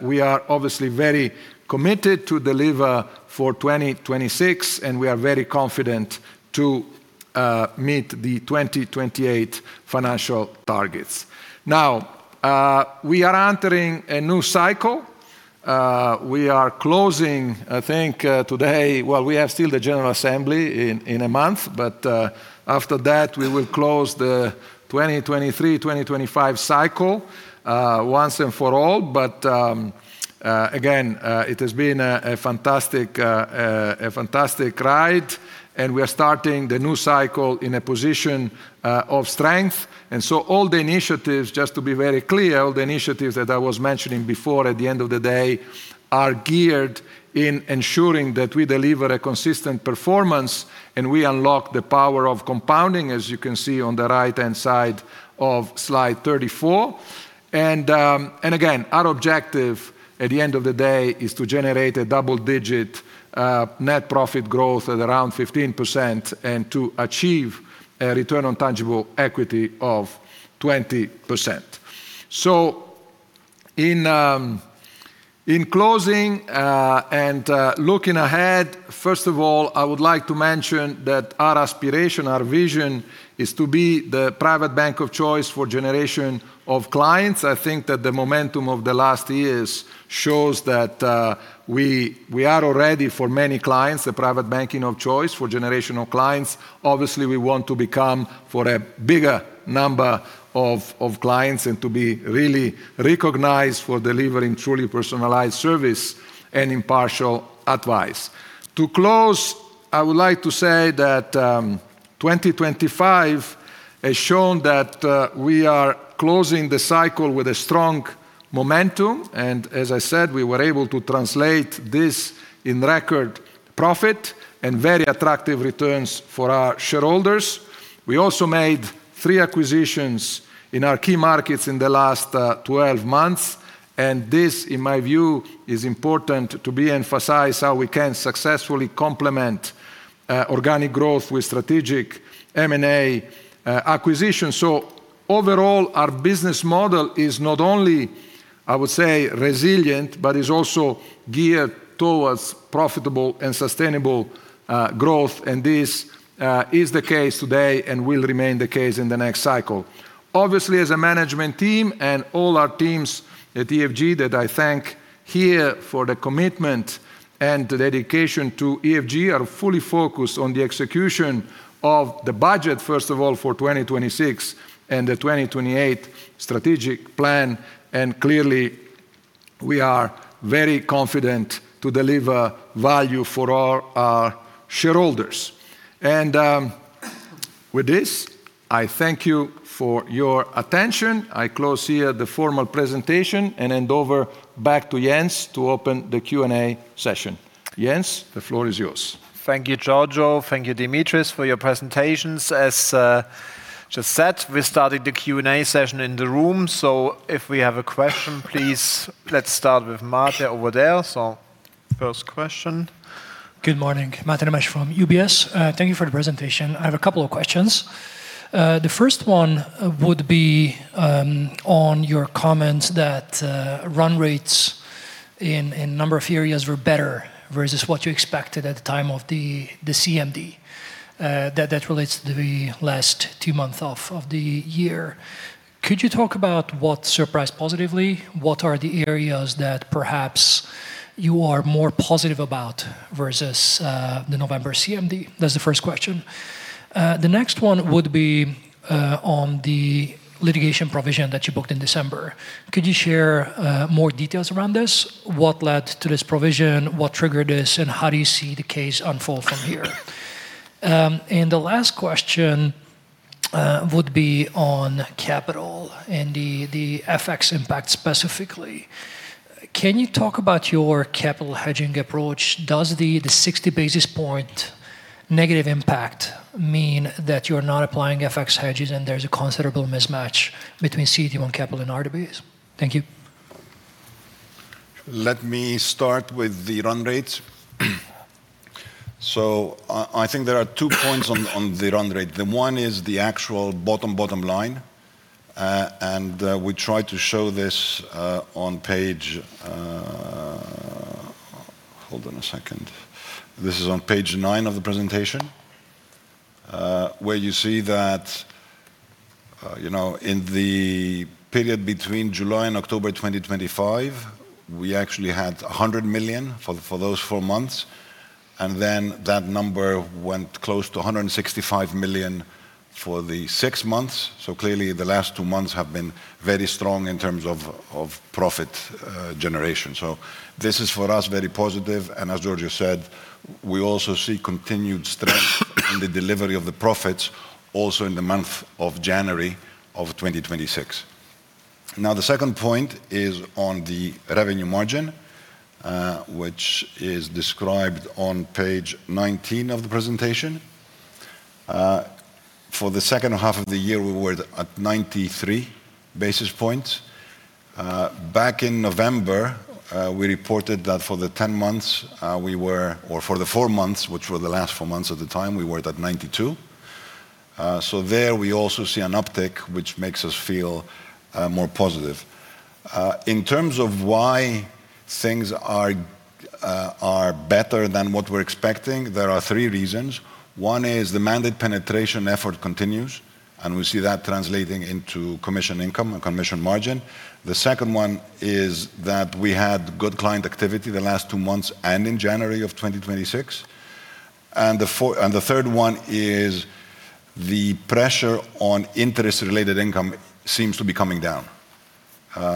we are obviously very committed to deliver for 2026, and we are very confident to meet the 2028 financial targets. Now, we are entering a new cycle, we are closing, I think, today—well, we have still the general assembly in a month, but, after that, we will close the 2023/2025 cycle, once and for all. But, again, it has been a fantastic ride, and we are starting the new cycle in a position of strength. And so all the initiatives, just to be very clear, all the initiatives that I was mentioning before at the end of the day, are geared in ensuring that we deliver a consistent performance and we unlock the power of compounding, as you can see on the right-hand side of slide 34. Our objective at the end of the day is to generate double-digit net profit growth at around 15% and to achieve a return on tangible equity of 20%. In closing, and looking ahead, first of all, I would like to mention that our aspiration, our vision, is to be the private bank of choice for generation of clients. I think that the momentum of the last years shows that we are already, for many clients, the private banking of choice for generational clients. Obviously, we want to become for a bigger number of clients and to be really recognized for delivering truly personalized service and impartial advice. To close, I would like to say that 2025 has shown that we are closing the cycle with a strong momentum, and as I said, we were able to translate this in record profit and very attractive returns for our shareholders. We also made three acquisitions in our key markets in the last 12 months, and this, in my view, is important to be emphasized how we can successfully complement organic growth with strategic M&A acquisitions. So overall, our business model is not only, I would say, resilient, but is also geared towards profitable and sustainable growth, and this is the case today and will remain the case in the next cycle. Obviously, as a management team and all our teams at EFG that I thank here for the commitment and dedication to EFG, are fully focused on the execution of the budget, first of all, for 2026 and the 2028 strategic plan, and clearly, we are very confident to deliver value for all our shareholders. And, with this, I thank you for your attention. I close here the formal presentation and hand over back to Jens to open the Q&A session. Jens, the floor is yours.
Thank you, Giorgio. Thank you, Dimitris, for your presentations. As just said, we started the Q&A session in the room, so if we have a question, please, let's start with Mate over there. So first question.
Good morning. Mate Nemes from UBS. Thank you for the presentation. I have a couple of questions. The first one would be on your comments that run rates in a number of areas were better versus what you expected at the time of the CMD that relates to the last two months of the year. Could you talk about what surprised positively? What are the areas that perhaps you are more positive about versus the November CMD? That's the first question. The next one would be on the litigation provision that you booked in December. Could you share more details around this? What led to this provision? What triggered this, and how do you see the case unfold from here? And the last question would be on capital and the FX impact specifically. Can you talk about your capital hedging approach? Does the 60 basis point negative impact mean that you're not applying FX hedges, and there's a considerable mismatch between CET1 capital and RWA? Thank you.
Let me start with the run rates. I think there are two points on the run rate. One is the actual bottom, bottom line, and we try to show this on page... Hold on a second. This is on page 9 of the presentation, where you see that, you know, in the period between July and October 2025, we actually had 100 million for those four months, and then that number went close to 165 million for the six months. Clearly, the last two months have been very strong in terms of profit generation. This is, for us, very positive, and as Giorgio said, we also see continued strength in the delivery of the profits also in the month of January of 2026. Now, the second point is on the revenue margin, which is described on page 19 of the presentation. For the second half of the year, we were at 93 basis points. Back in November, we reported that for the 10 months, or for the four months, which were the last four months at the time, we were at 92. So there we also see an uptick, which makes us feel, more positive. In terms of why things are, are better than what we're expecting, there are three reasons. One is the mandate penetration effort continues, and we see that translating into commission income and commission margin. The second one is that we had good client activity the last two months and in January of 2026. And the third one is the pressure on interest-related income seems to be coming down.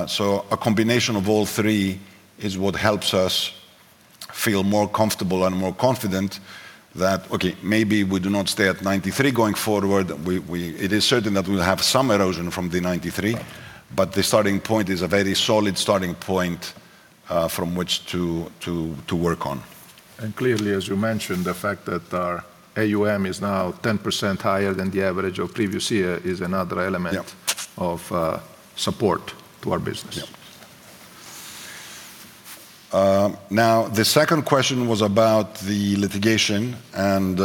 So a combination of all three is what helps us feel more comfortable and more confident that, okay, maybe we do not stay at 93 going forward. It is certain that we'll have some erosion from the 93, but the starting point is a very solid starting point, from which to work on. And clearly, as you mentioned, the fact that our AUM is now 10% higher than the average of previous year is another element-
Yep.
- of support to our business. Yep. Now, the second question was about the litigation, and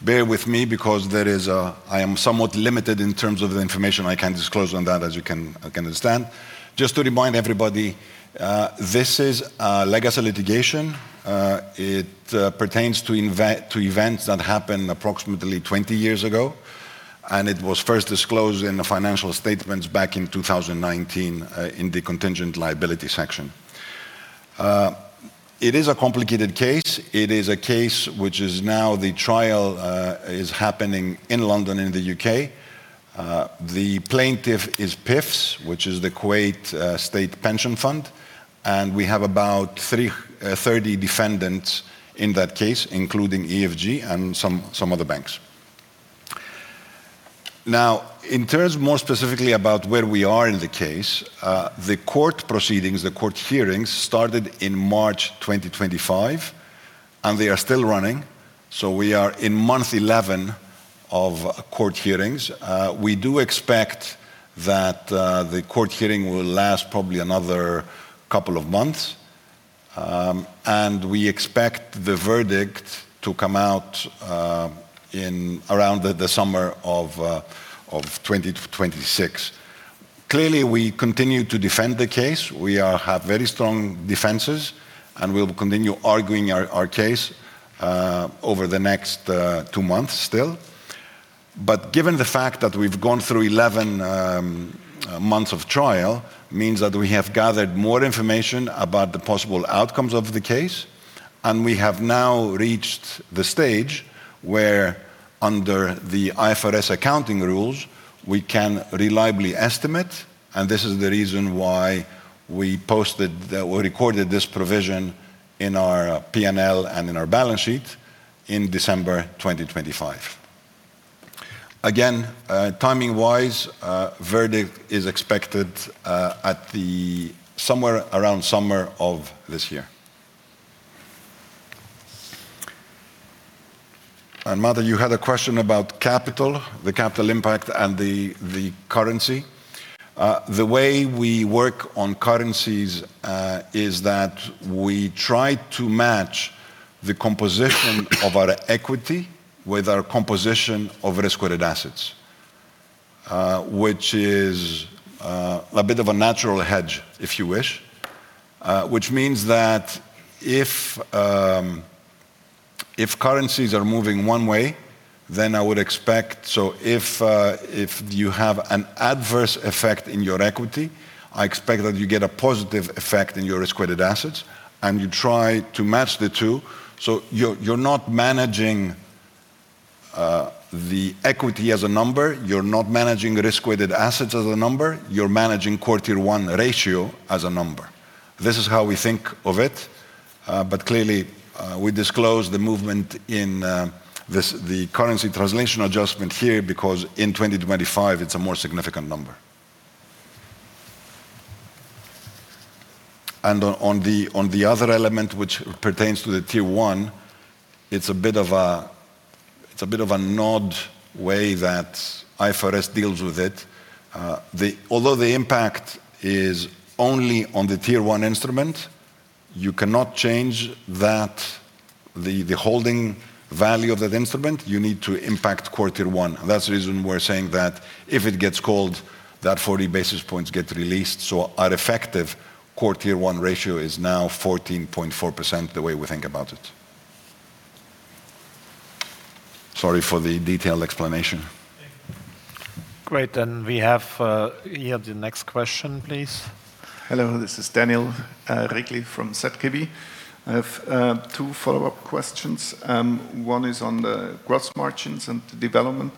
bear with me because there is, I am somewhat limited in terms of the information I can disclose on that, as you can understand. Just to remind everybody, this is a legacy litigation. It pertains to events that happened approximately 20 years ago, and it was first disclosed in the financial statements back in 2019, in the contingent liability section. It is a complicated case. It is a case which is now the trial is happening in London, in the U.K. The plaintiff is PIFSS which is the Kuwait State Pension Fund, and we have about 30 defendants in that case, including EFG and some other banks. Now, in terms more specifically about where we are in the case, the court proceedings, the court hearings started in March 2025, and they are still running, so we are in month 11 of court hearings. We do expect that the court hearing will last probably another couple of months, and we expect the verdict to come out in around the summer of 2026. Clearly, we continue to defend the case. We have very strong defenses, and we'll continue arguing our case over the next two months still. But given the fact that we've gone through 11 months of trial, means that we have gathered more information about the possible outcomes of the case, and we have now reached the stage where, under the IFRS accounting rules, we can reliably estimate, and this is the reason why we posted, we recorded this provision in our P&L and in our balance sheet in December 2025. Again, timing-wise, a verdict is expected at somewhere around summer of this year. And Mate, you had a question about capital, the capital impact, and the currency. The way we work on currencies is that we try to match the composition of our equity with our composition of risk-weighted assets, which is a bit of a natural hedge, if you wish. Which means that if currencies are moving one way, then I would expect... If you have an adverse effect in your equity, I expect that you get a positive effect in your risk-weighted assets, and you try to match the two. You're not managing the equity as a number, you're not managing risk-weighted assets as a number, you're managing Core Tier One ratio as a number. This is how we think of it, but clearly, we disclose the movement in this, the currency translation adjustment here, because in 2025, it's a more significant number. On the other element, which pertains to the Tier One, it's a bit of a, it's a bit of an odd way that IFRS deals with it. Although the impact is only on the Tier 1 instrument, you cannot change that, the holding value of that instrument, you need to impact Core Tier 1. That's the reason we're saying that if it gets called, that 40 basis points get released. So our effective Core Tier One ratio is now 14.4%, the way we think about it. Sorry for the detailed explanation.
Great. Then we have the next question, please.
Hello, this is Daniel Regli from ZKB. I have two follow-up questions. One is on the gross margins and the development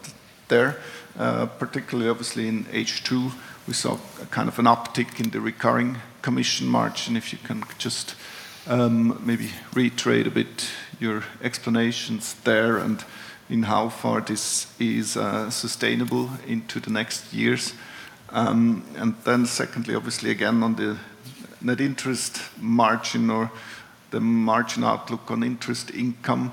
there. Particularly obviously in H2, we saw a kind of an uptick in the recurring commission margin. If you can just maybe reiterate a bit your explanations there and in how far this is sustainable into the next years. And then secondly, obviously, again, on the net interest margin or the margin outlook on interest income,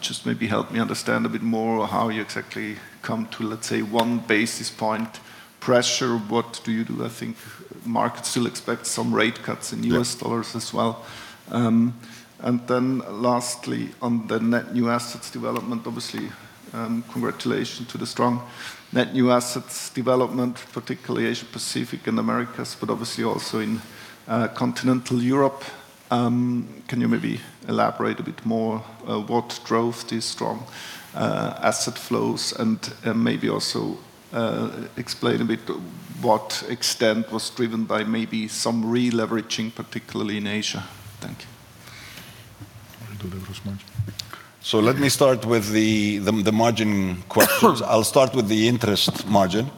just maybe help me understand a bit more how you exactly come to, let's say, one basis point pressure. What do you do? I think markets still expect some rate cuts in US-
Yep
dollars as well. And then lastly, on the net new assets development, obviously, congratulations to the strong net new assets development, particularly Asia Pacific and Americas, but obviously also in continental Europe. Can you maybe elaborate a bit more, what drove these strong asset flows? And maybe also explain a bit what extent was driven by maybe some re-leveraging, particularly in Asia. Thank you.
Let me start with the margin questions. I'll start with the interest margin,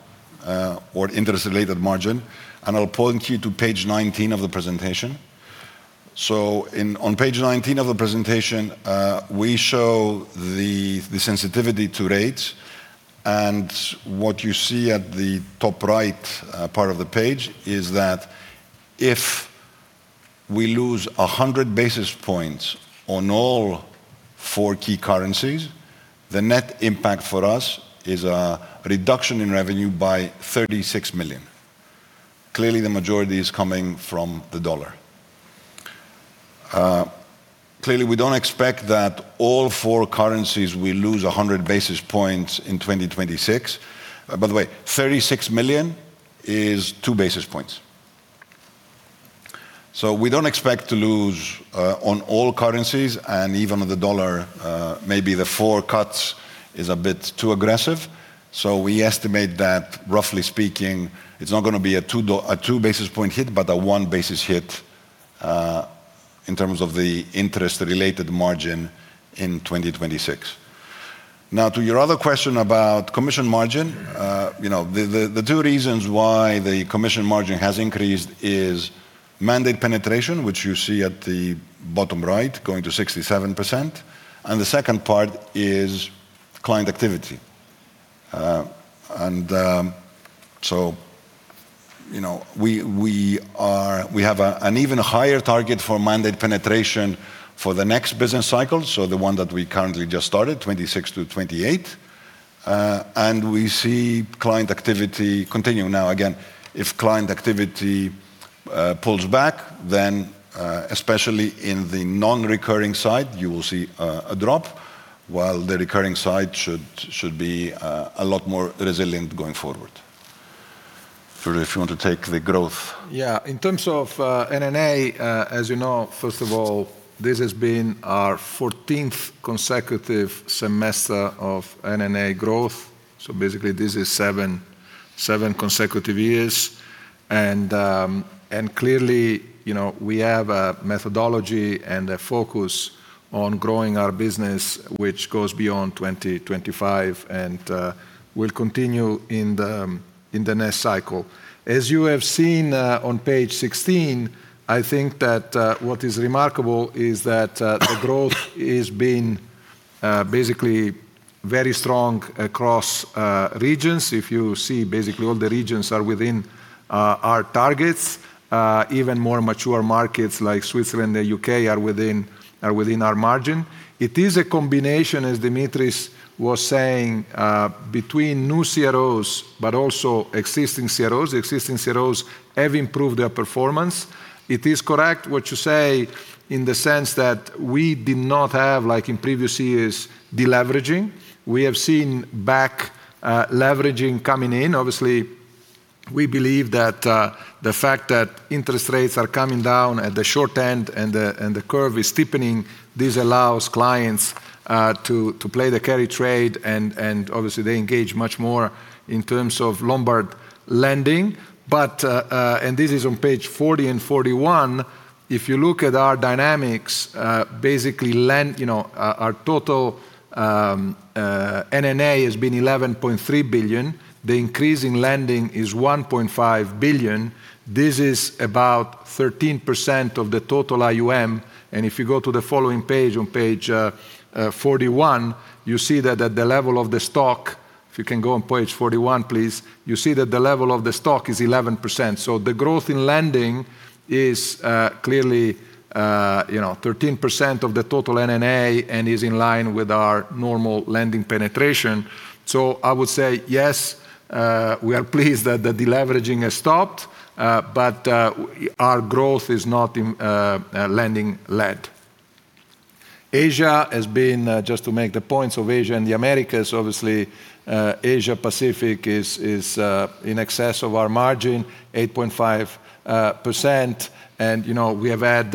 or interest-related margin, and I'll point you to page 19 of the presentation. On page 19 of the presentation, we show the sensitivity to rates, and what you see at the top right part of the page is that if we lose 100 basis points on all four key currencies, the net impact for us is a reduction in revenue by 36 million. Clearly, the majority is coming from the US dollar. Clearly, we don't expect that all four currencies will lose 100 basis points in 2026. By the way, 36 million is 2 basis points. We don't expect to lose on all currencies, and even on the US dollar, maybe the four cuts is a bit too aggressive. So we estimate that, roughly speaking, it's not gonna be a two basis point hit, but a one basis point hit in terms of the interest-related margin in 2026. Now, to your other question about commission margin, you know, the two reasons why the commission margin has increased is mandate penetration, which you see at the bottom right, going to 67%, and the second part is client activity. And, so, you know, we are – we have an even higher target for mandate penetration for the next business cycle, so the one that we currently just started, 2026-2028, and we see client activity continuing. Now, again, if client activity pulls back, then, especially in the non-recurring side, you will see a drop, while the recurring side should, should be a lot more resilient going forward. Giorgio, if you want to take the growth.
Yeah. In terms of NNA, as you know, first of all, this has been our fourteenth consecutive semester of NNA growth, so basically, this is seven, seven consecutive years. And, and clearly, you know, we have a methodology and a focus on growing our business, which goes beyond 2025, and will continue in the next cycle. As you have seen, on page 16, I think that what is remarkable is that the growth is being basically very strong across regions. If you see, basically all the regions are within our targets. Even more mature markets like Switzerland and the U.K. are within, are within our margin. It is a combination, as Dimitris was saying, between new CROs, but also existing CROs. The existing CROs have improved their performance. It is correct what you say, in the sense that we did not have, like in previous years, de-leveraging. We have seen back leveraging coming in. Obviously, we believe that the fact that interest rates are coming down at the short end, and the curve is steepening, this allows clients to play the carry trade, and obviously, they engage much more in terms of Lombard lending. But, and this is on page 40 and 41, if you look at our dynamics, basically. You know, our total NNA has been 11.3 billion. The increase in lending is 1.5 billion. This is about 13% of the total AUM, and if you go to the following page, on page 41, you see that at the level of the stock. If you can go on page 41, please. You see that the level of the stock is 11%. So the growth in lending is clearly, you know, 13% of the total NNA and is in line with our normal lending penetration. So I would say, yes, we are pleased that the de-leveraging has stopped, but our growth is not lending-led. Asia has been just to make the points of Asia and the Americas, obviously, Asia Pacific is in excess of our margin, 8.5%. And, you know, we have had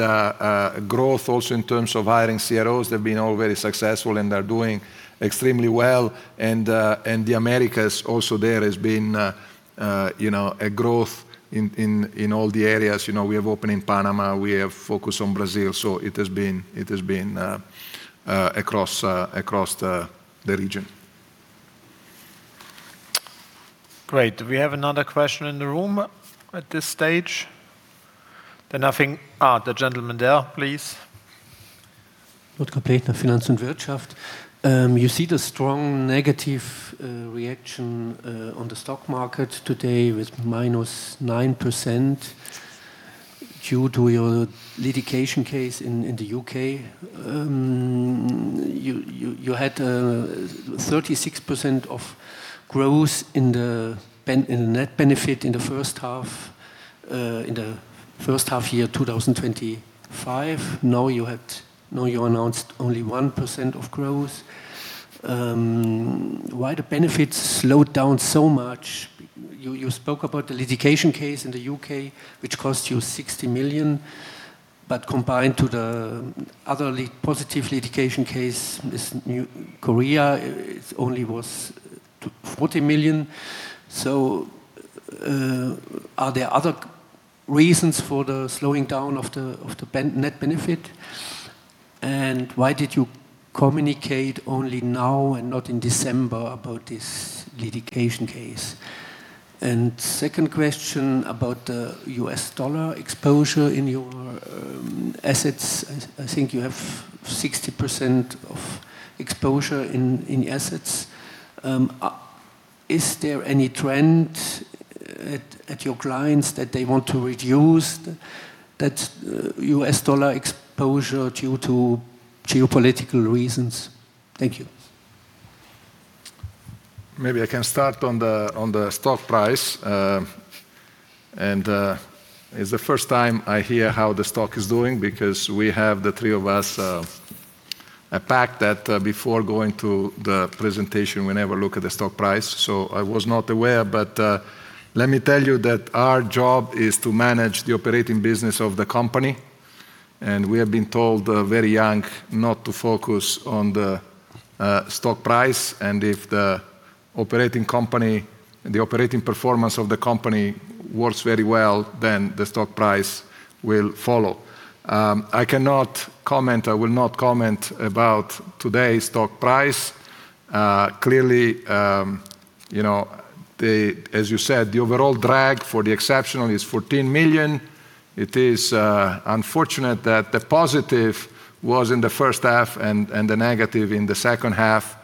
growth also in terms of hiring CROs. They've been all very successful, and they're doing extremely well, and the Americas also there has been, you know, a growth in all the areas. You know, we have opened in Panama, we have focused on Brazil, so it has been across the region.
Great. Do we have another question in the room at this stage? Then I think, the gentleman there, please.
Finance und Wirtschaft. You see the strong negative reaction on the stock market today with -9% due to your litigation case in the U.K. You had 36% of growth in the net benefit in the first half year, 2025. Now, you announced only 1% of growth. Why the benefits slowed down so much? You spoke about the litigation case in the U.K., which cost you 60 million, but combined with the other positive litigation case, this new Korea, it only was 14 million. Are there other reasons for the slowing down of the net benefit? Why did you communicate only now and not in December about this litigation case? Second question about the U.S. dollar exposure in your assets. I think you have 60% of exposure in assets. Is there any trend at your clients that they want to reduce that U.S. dollar exposure due to geopolitical reasons? Thank you.
Maybe I can start on the stock price. And it's the first time I hear how the stock is doing because we have, the three of us, a pact that before going to the presentation, we never look at the stock price. So I was not aware. But let me tell you that our job is to manage the operating business of the company, and we have been told very young not to focus on the stock price, and if the operating company, the operating performance of the company works very well, then the stock price will follow. I cannot comment... I will not comment about today's stock price. Clearly, you know, as you said, the overall drag for the exceptional is 14 million. It is unfortunate that the positive was in the first half and the negative in the second half,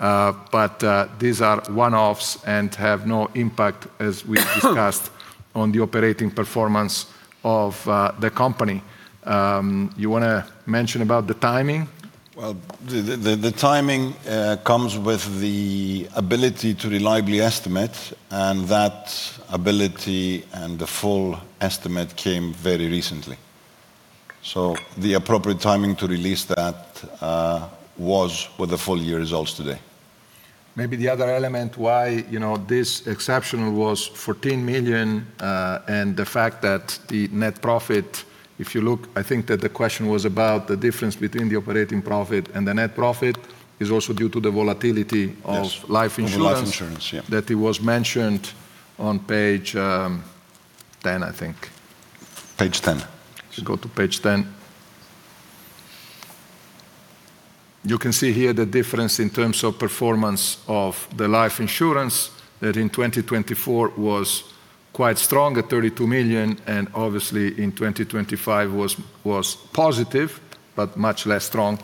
but these are one-offs and have no impact, as we discussed, on the operating performance of the company. You wanna mention about the timing?
Well, the timing comes with the ability to reliably estimate, and that ability and the full estimate came very recently. So the appropriate timing to release that was with the full year results today.
Maybe the other element why, you know, this exceptional was 14 million, and the fact that the net profit, if you look, I think that the question was about the difference between the operating profit and the net profit, is also due to the volatility of-
Yes
- life insurance.
Of life insurance, yeah.
That it was mentioned on page 10, I think.
Page 10.
Go to page 10. You can see here the difference in terms of performance of the life insurance, that in 2024 was quite strong at 32 million, and obviously in 2025 was, was positive, but much less strong.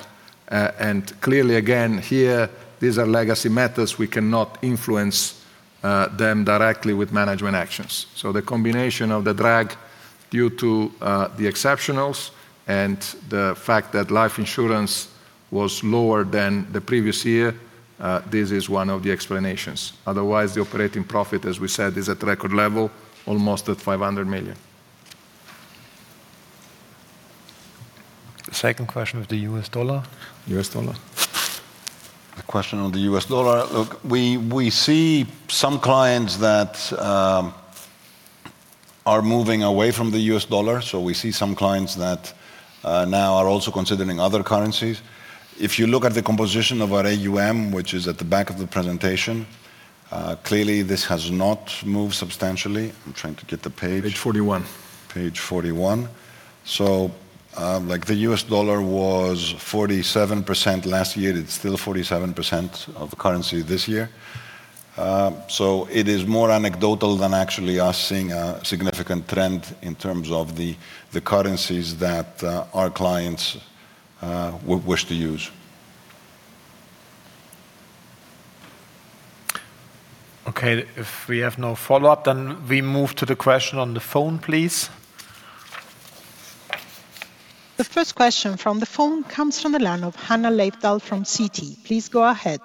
And clearly, again, here, these are legacy methods. We cannot influence them directly with management actions. So the combination of the drag due to the exceptionals and the fact that life insurance was lower than the previous year, this is one of the explanations. Otherwise, the operating profit, as we said, is at record level, almost at 500 million.
The second question with the U.S. dollar.
US dollar. The question on the US dollar: look, we, we see some clients that are moving away from the US dollar, so we see some clients that now are also considering other currencies. If you look at the composition of our AUM, which is at the back of the presentation, clearly this has not moved substantially. I'm trying to get the page.
Page 41.
Page 41. So, like, the US dollar was 47% last year. It's still 47% of the currency this year. So it is more anecdotal than actually us seeing a significant trend in terms of the currencies that our clients wish to use.
Okay, if we have no follow-up, then we move to the question on the phone, please.
The first question from the phone comes from the line of Hannah Leivdal from Citi. Please go ahead.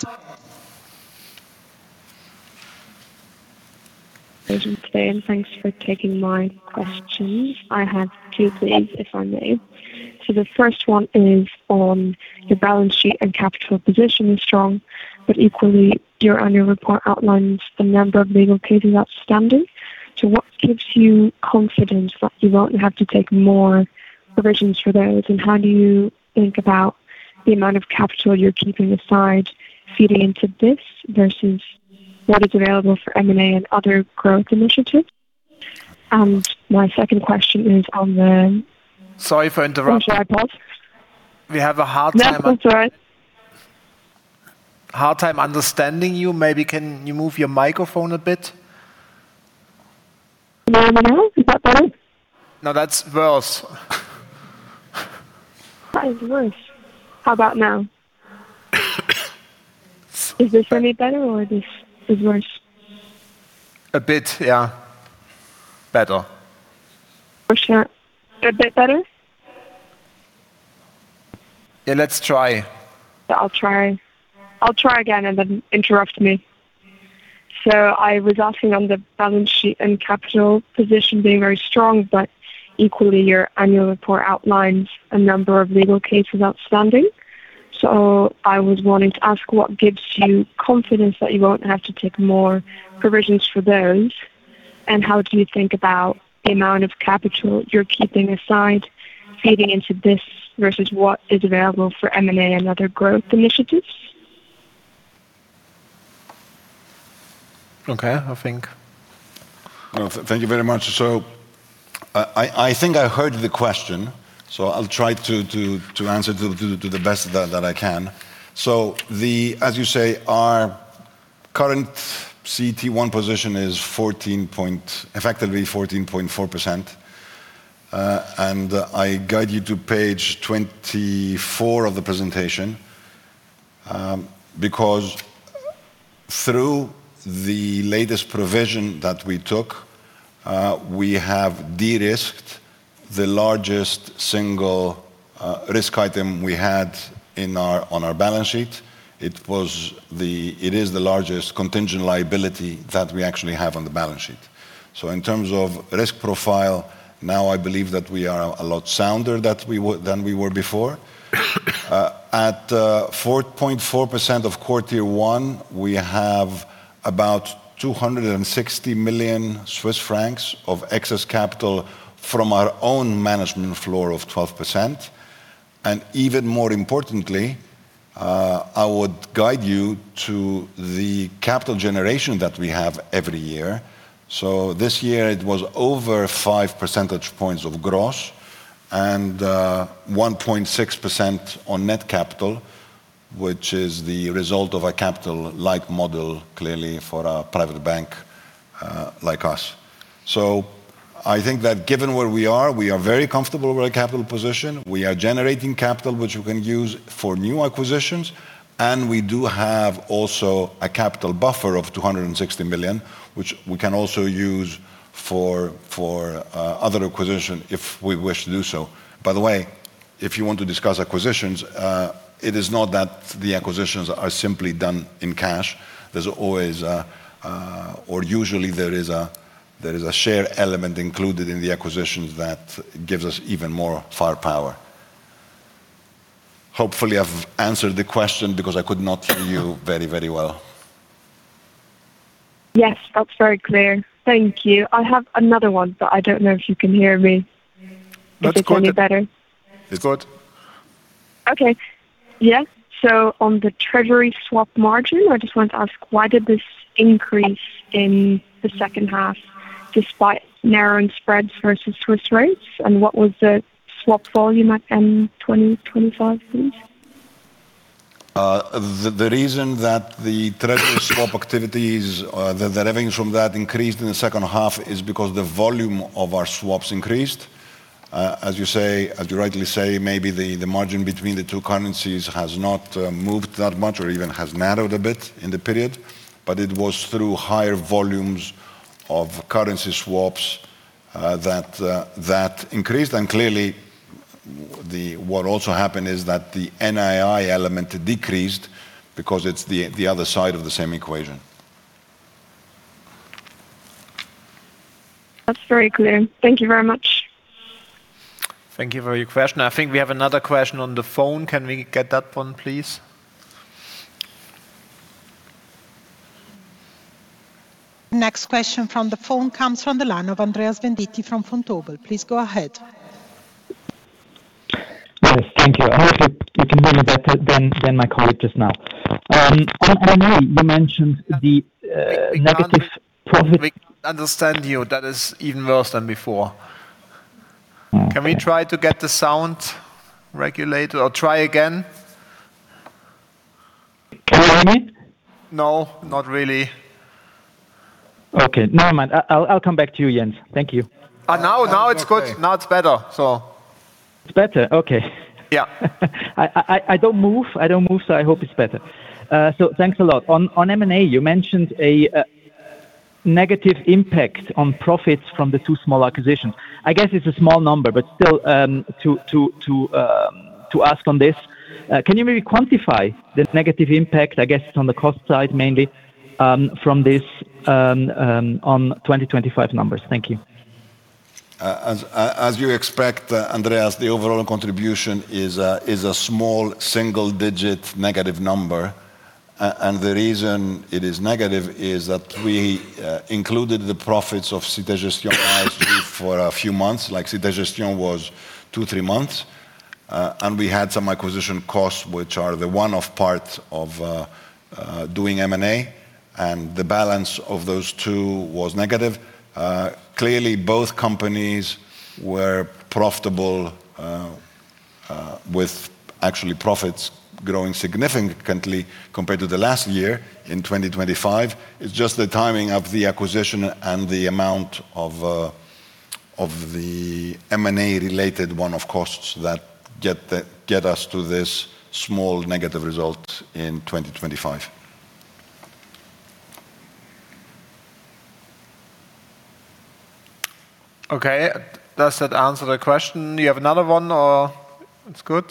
Good day, and thanks for taking my questions. I have two, please, if I may. So the first one is on the balance sheet and capital position is strong, but equally, your annual report outlines a number of legal cases outstanding. So what gives you confidence that you won't have to take more provisions for those, and how do you think about the amount of capital you're keeping aside feeding into this versus what is available for M&A and other growth initiatives? And my second question is on the-
Sorry for interrupting.
Sorry, pause.
We have a hard time-
No, it's all right.
Hard time understanding you. Maybe can you move your microphone a bit?
Now, is that better?
No, that's worse.
That is worse. How about now? Is this any better, or this is worse?
A bit, yeah, better.
For sure. A bit better?
Yeah, let's try.
I'll try. I'll try again, and then interrupt me. So I was asking on the balance sheet and capital position being very strong, but equally, your annual report outlines a number of legal cases outstanding. So I was wanting to ask, what gives you confidence that you won't have to take more provisions for those? And how do you think about the amount of capital you're keeping assigned heading into this, versus what is available for M&A and other growth initiatives?
Okay, I think.
Thank you very much. So I think I heard the question, so I'll try to answer to the best that I can. So the, as you say, our current CET1 position is 14% effectively 14.4%. And I guide you to page 24 of the presentation, because through the latest provision that we took, we have de-risked the largest single risk item we had in our on our balance sheet. It was the, it is the largest contingent liability that we actually have on the balance sheet. So in terms of risk profile, now I believe that we are a lot sounder than we were before. At 4.4% of core Tier 1, we have about 260 million Swiss francs of excess capital from our own management floor of 12%. And even more importantly, I would guide you to the capital generation that we have every year. So this year it was over 5 percentage points of gross and 1.6% on net capital, which is the result of a capital-like model, clearly, for a private bank like us. So I think that given where we are, we are very comfortable with our capital position. We are generating capital, which we can use for new acquisitions, and we do have also a capital buffer of 260 million, which we can also use for other acquisition if we wish to do so. By the way, if you want to discuss acquisitions, it is not that the acquisitions are simply done in cash. There's always, or usually there is a, there is a share element included in the acquisitions that gives us even more firepower. Hopefully, I've answered the question because I could not hear you very, very well.
Yes, that's very clear. Thank you. I have another one, but I don't know if you can hear me.
That's good.
Is it any better?
It's good.
Okay. Yes, so on the treasury swap margin, I just want to ask, why did this increase in the second half despite narrowing spreads versus Swiss rates? And what was the swap volume at end 2025, please?
The reason that the treasury swap activities, the revenues from that increased in the second half is because the volume of our swaps increased. As you say, as you rightly say, maybe the margin between the two currencies has not moved that much or even has narrowed a bit in the period, but it was through higher volumes of currency swaps that increased. And clearly, what also happened is that the NII element decreased because it's the other side of the same equation.
That's very clear. Thank you very much.
Thank you for your question. I think we have another question on the phone. Can we get that one, please?
Next question from the phone comes from the line of Andreas Venditti from Vontobel. Please go ahead.
Yes, thank you. I hope you can hear me better than my colleague just now. I know you mentioned the negative profit-
We can't understand you. That is even worse than before. Can we try to get the sound regulated or try again?
Can you hear me?
No, not really.
Okay, never mind. I'll come back to you, Jens. Thank you.
Now it's good. Now it's better, so...
It's better? Okay.
Yeah.
I don't move, so I hope it's better. So thanks a lot. On M&A, you mentioned a negative impact on profits from the two small acquisitions. I guess it's a small number, but still, to ask on this, can you maybe quantify this negative impact, I guess, on the cost side, mainly, from this, on 2025 numbers? Thank you.
As you expect, Andreas, the overall contribution is a small single-digit negative number. The reason it is negative is that we included the profits of Cité Gestion for a few months, like Cité Gestion was two, three months. We had some acquisition costs, which are the one-off part of doing M&A, and the balance of those two was negative. Clearly, both companies were profitable, with actually profits growing significantly compared to the last year in 2025. It's just the timing of the acquisition and the amount of the M&A related one-off costs that get us to this small negative result in 2025.
Okay, does that answer the question? Do you have another one, or it's good?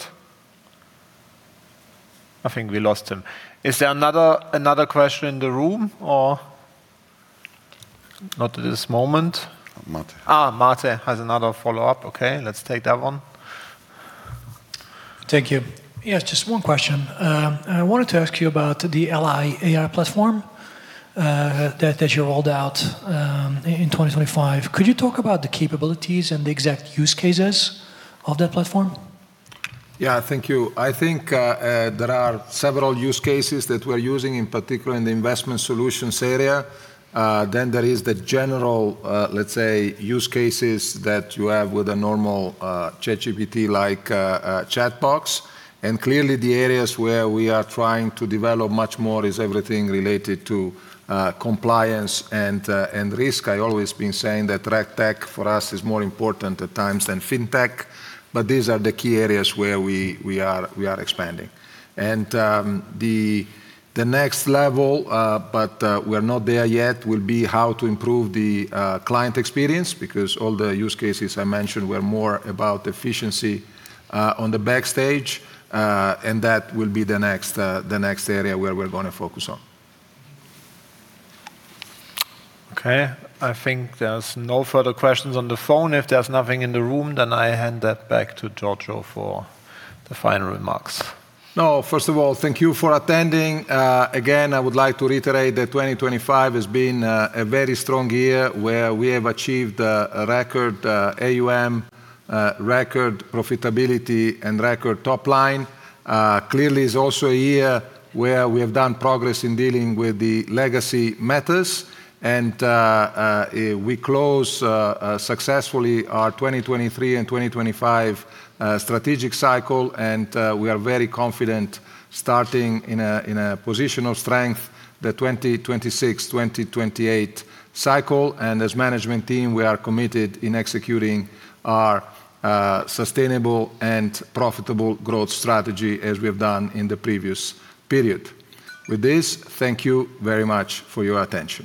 I think we lost him. Is there another, another question in the room, or? Not at this moment.
Mate.
Ah, Mate has another follow-up. Okay, let's take that one.
Thank you. Yes, just one question. I wanted to ask you about the Ally AI platform, that you rolled out in 2025. Could you talk about the capabilities and the exact use cases of that platform?
Yeah, thank you. I think, there are several use cases that we're using, in particular in the investment solutions area. Then there is the general, let's say, use cases that you have with a normal, ChatGPT like, chat box. And clearly, the areas where we are trying to develop much more is everything related to, compliance and, and risk. I always been saying that RegTech for us is more important at times than FinTech, but these are the key areas where we, we are, we are expanding. And, the, the next level, but, we are not there yet, will be how to improve the, client experience, because all the use cases I mentioned were more about efficiency, on the backstage. And that will be the next, the next area where we're gonna focus on.
Okay, I think there's no further questions on the phone. If there's nothing in the room, then I hand that back to Giorgio for the final remarks.
No, first of all, thank you for attending. Again, I would like to reiterate that 2025 has been a very strong year, where we have achieved a record AUM, record profitability, and record top line. Clearly, it's also a year where we have done progress in dealing with the legacy matters, and we close successfully our 2023 and 2025 strategic cycle, and we are very confident starting in a position of strength, the 2026-2028 cycle. And as management team, we are committed in executing our sustainable and profitable growth strategy as we have done in the previous period. With this, thank you very much for your attention.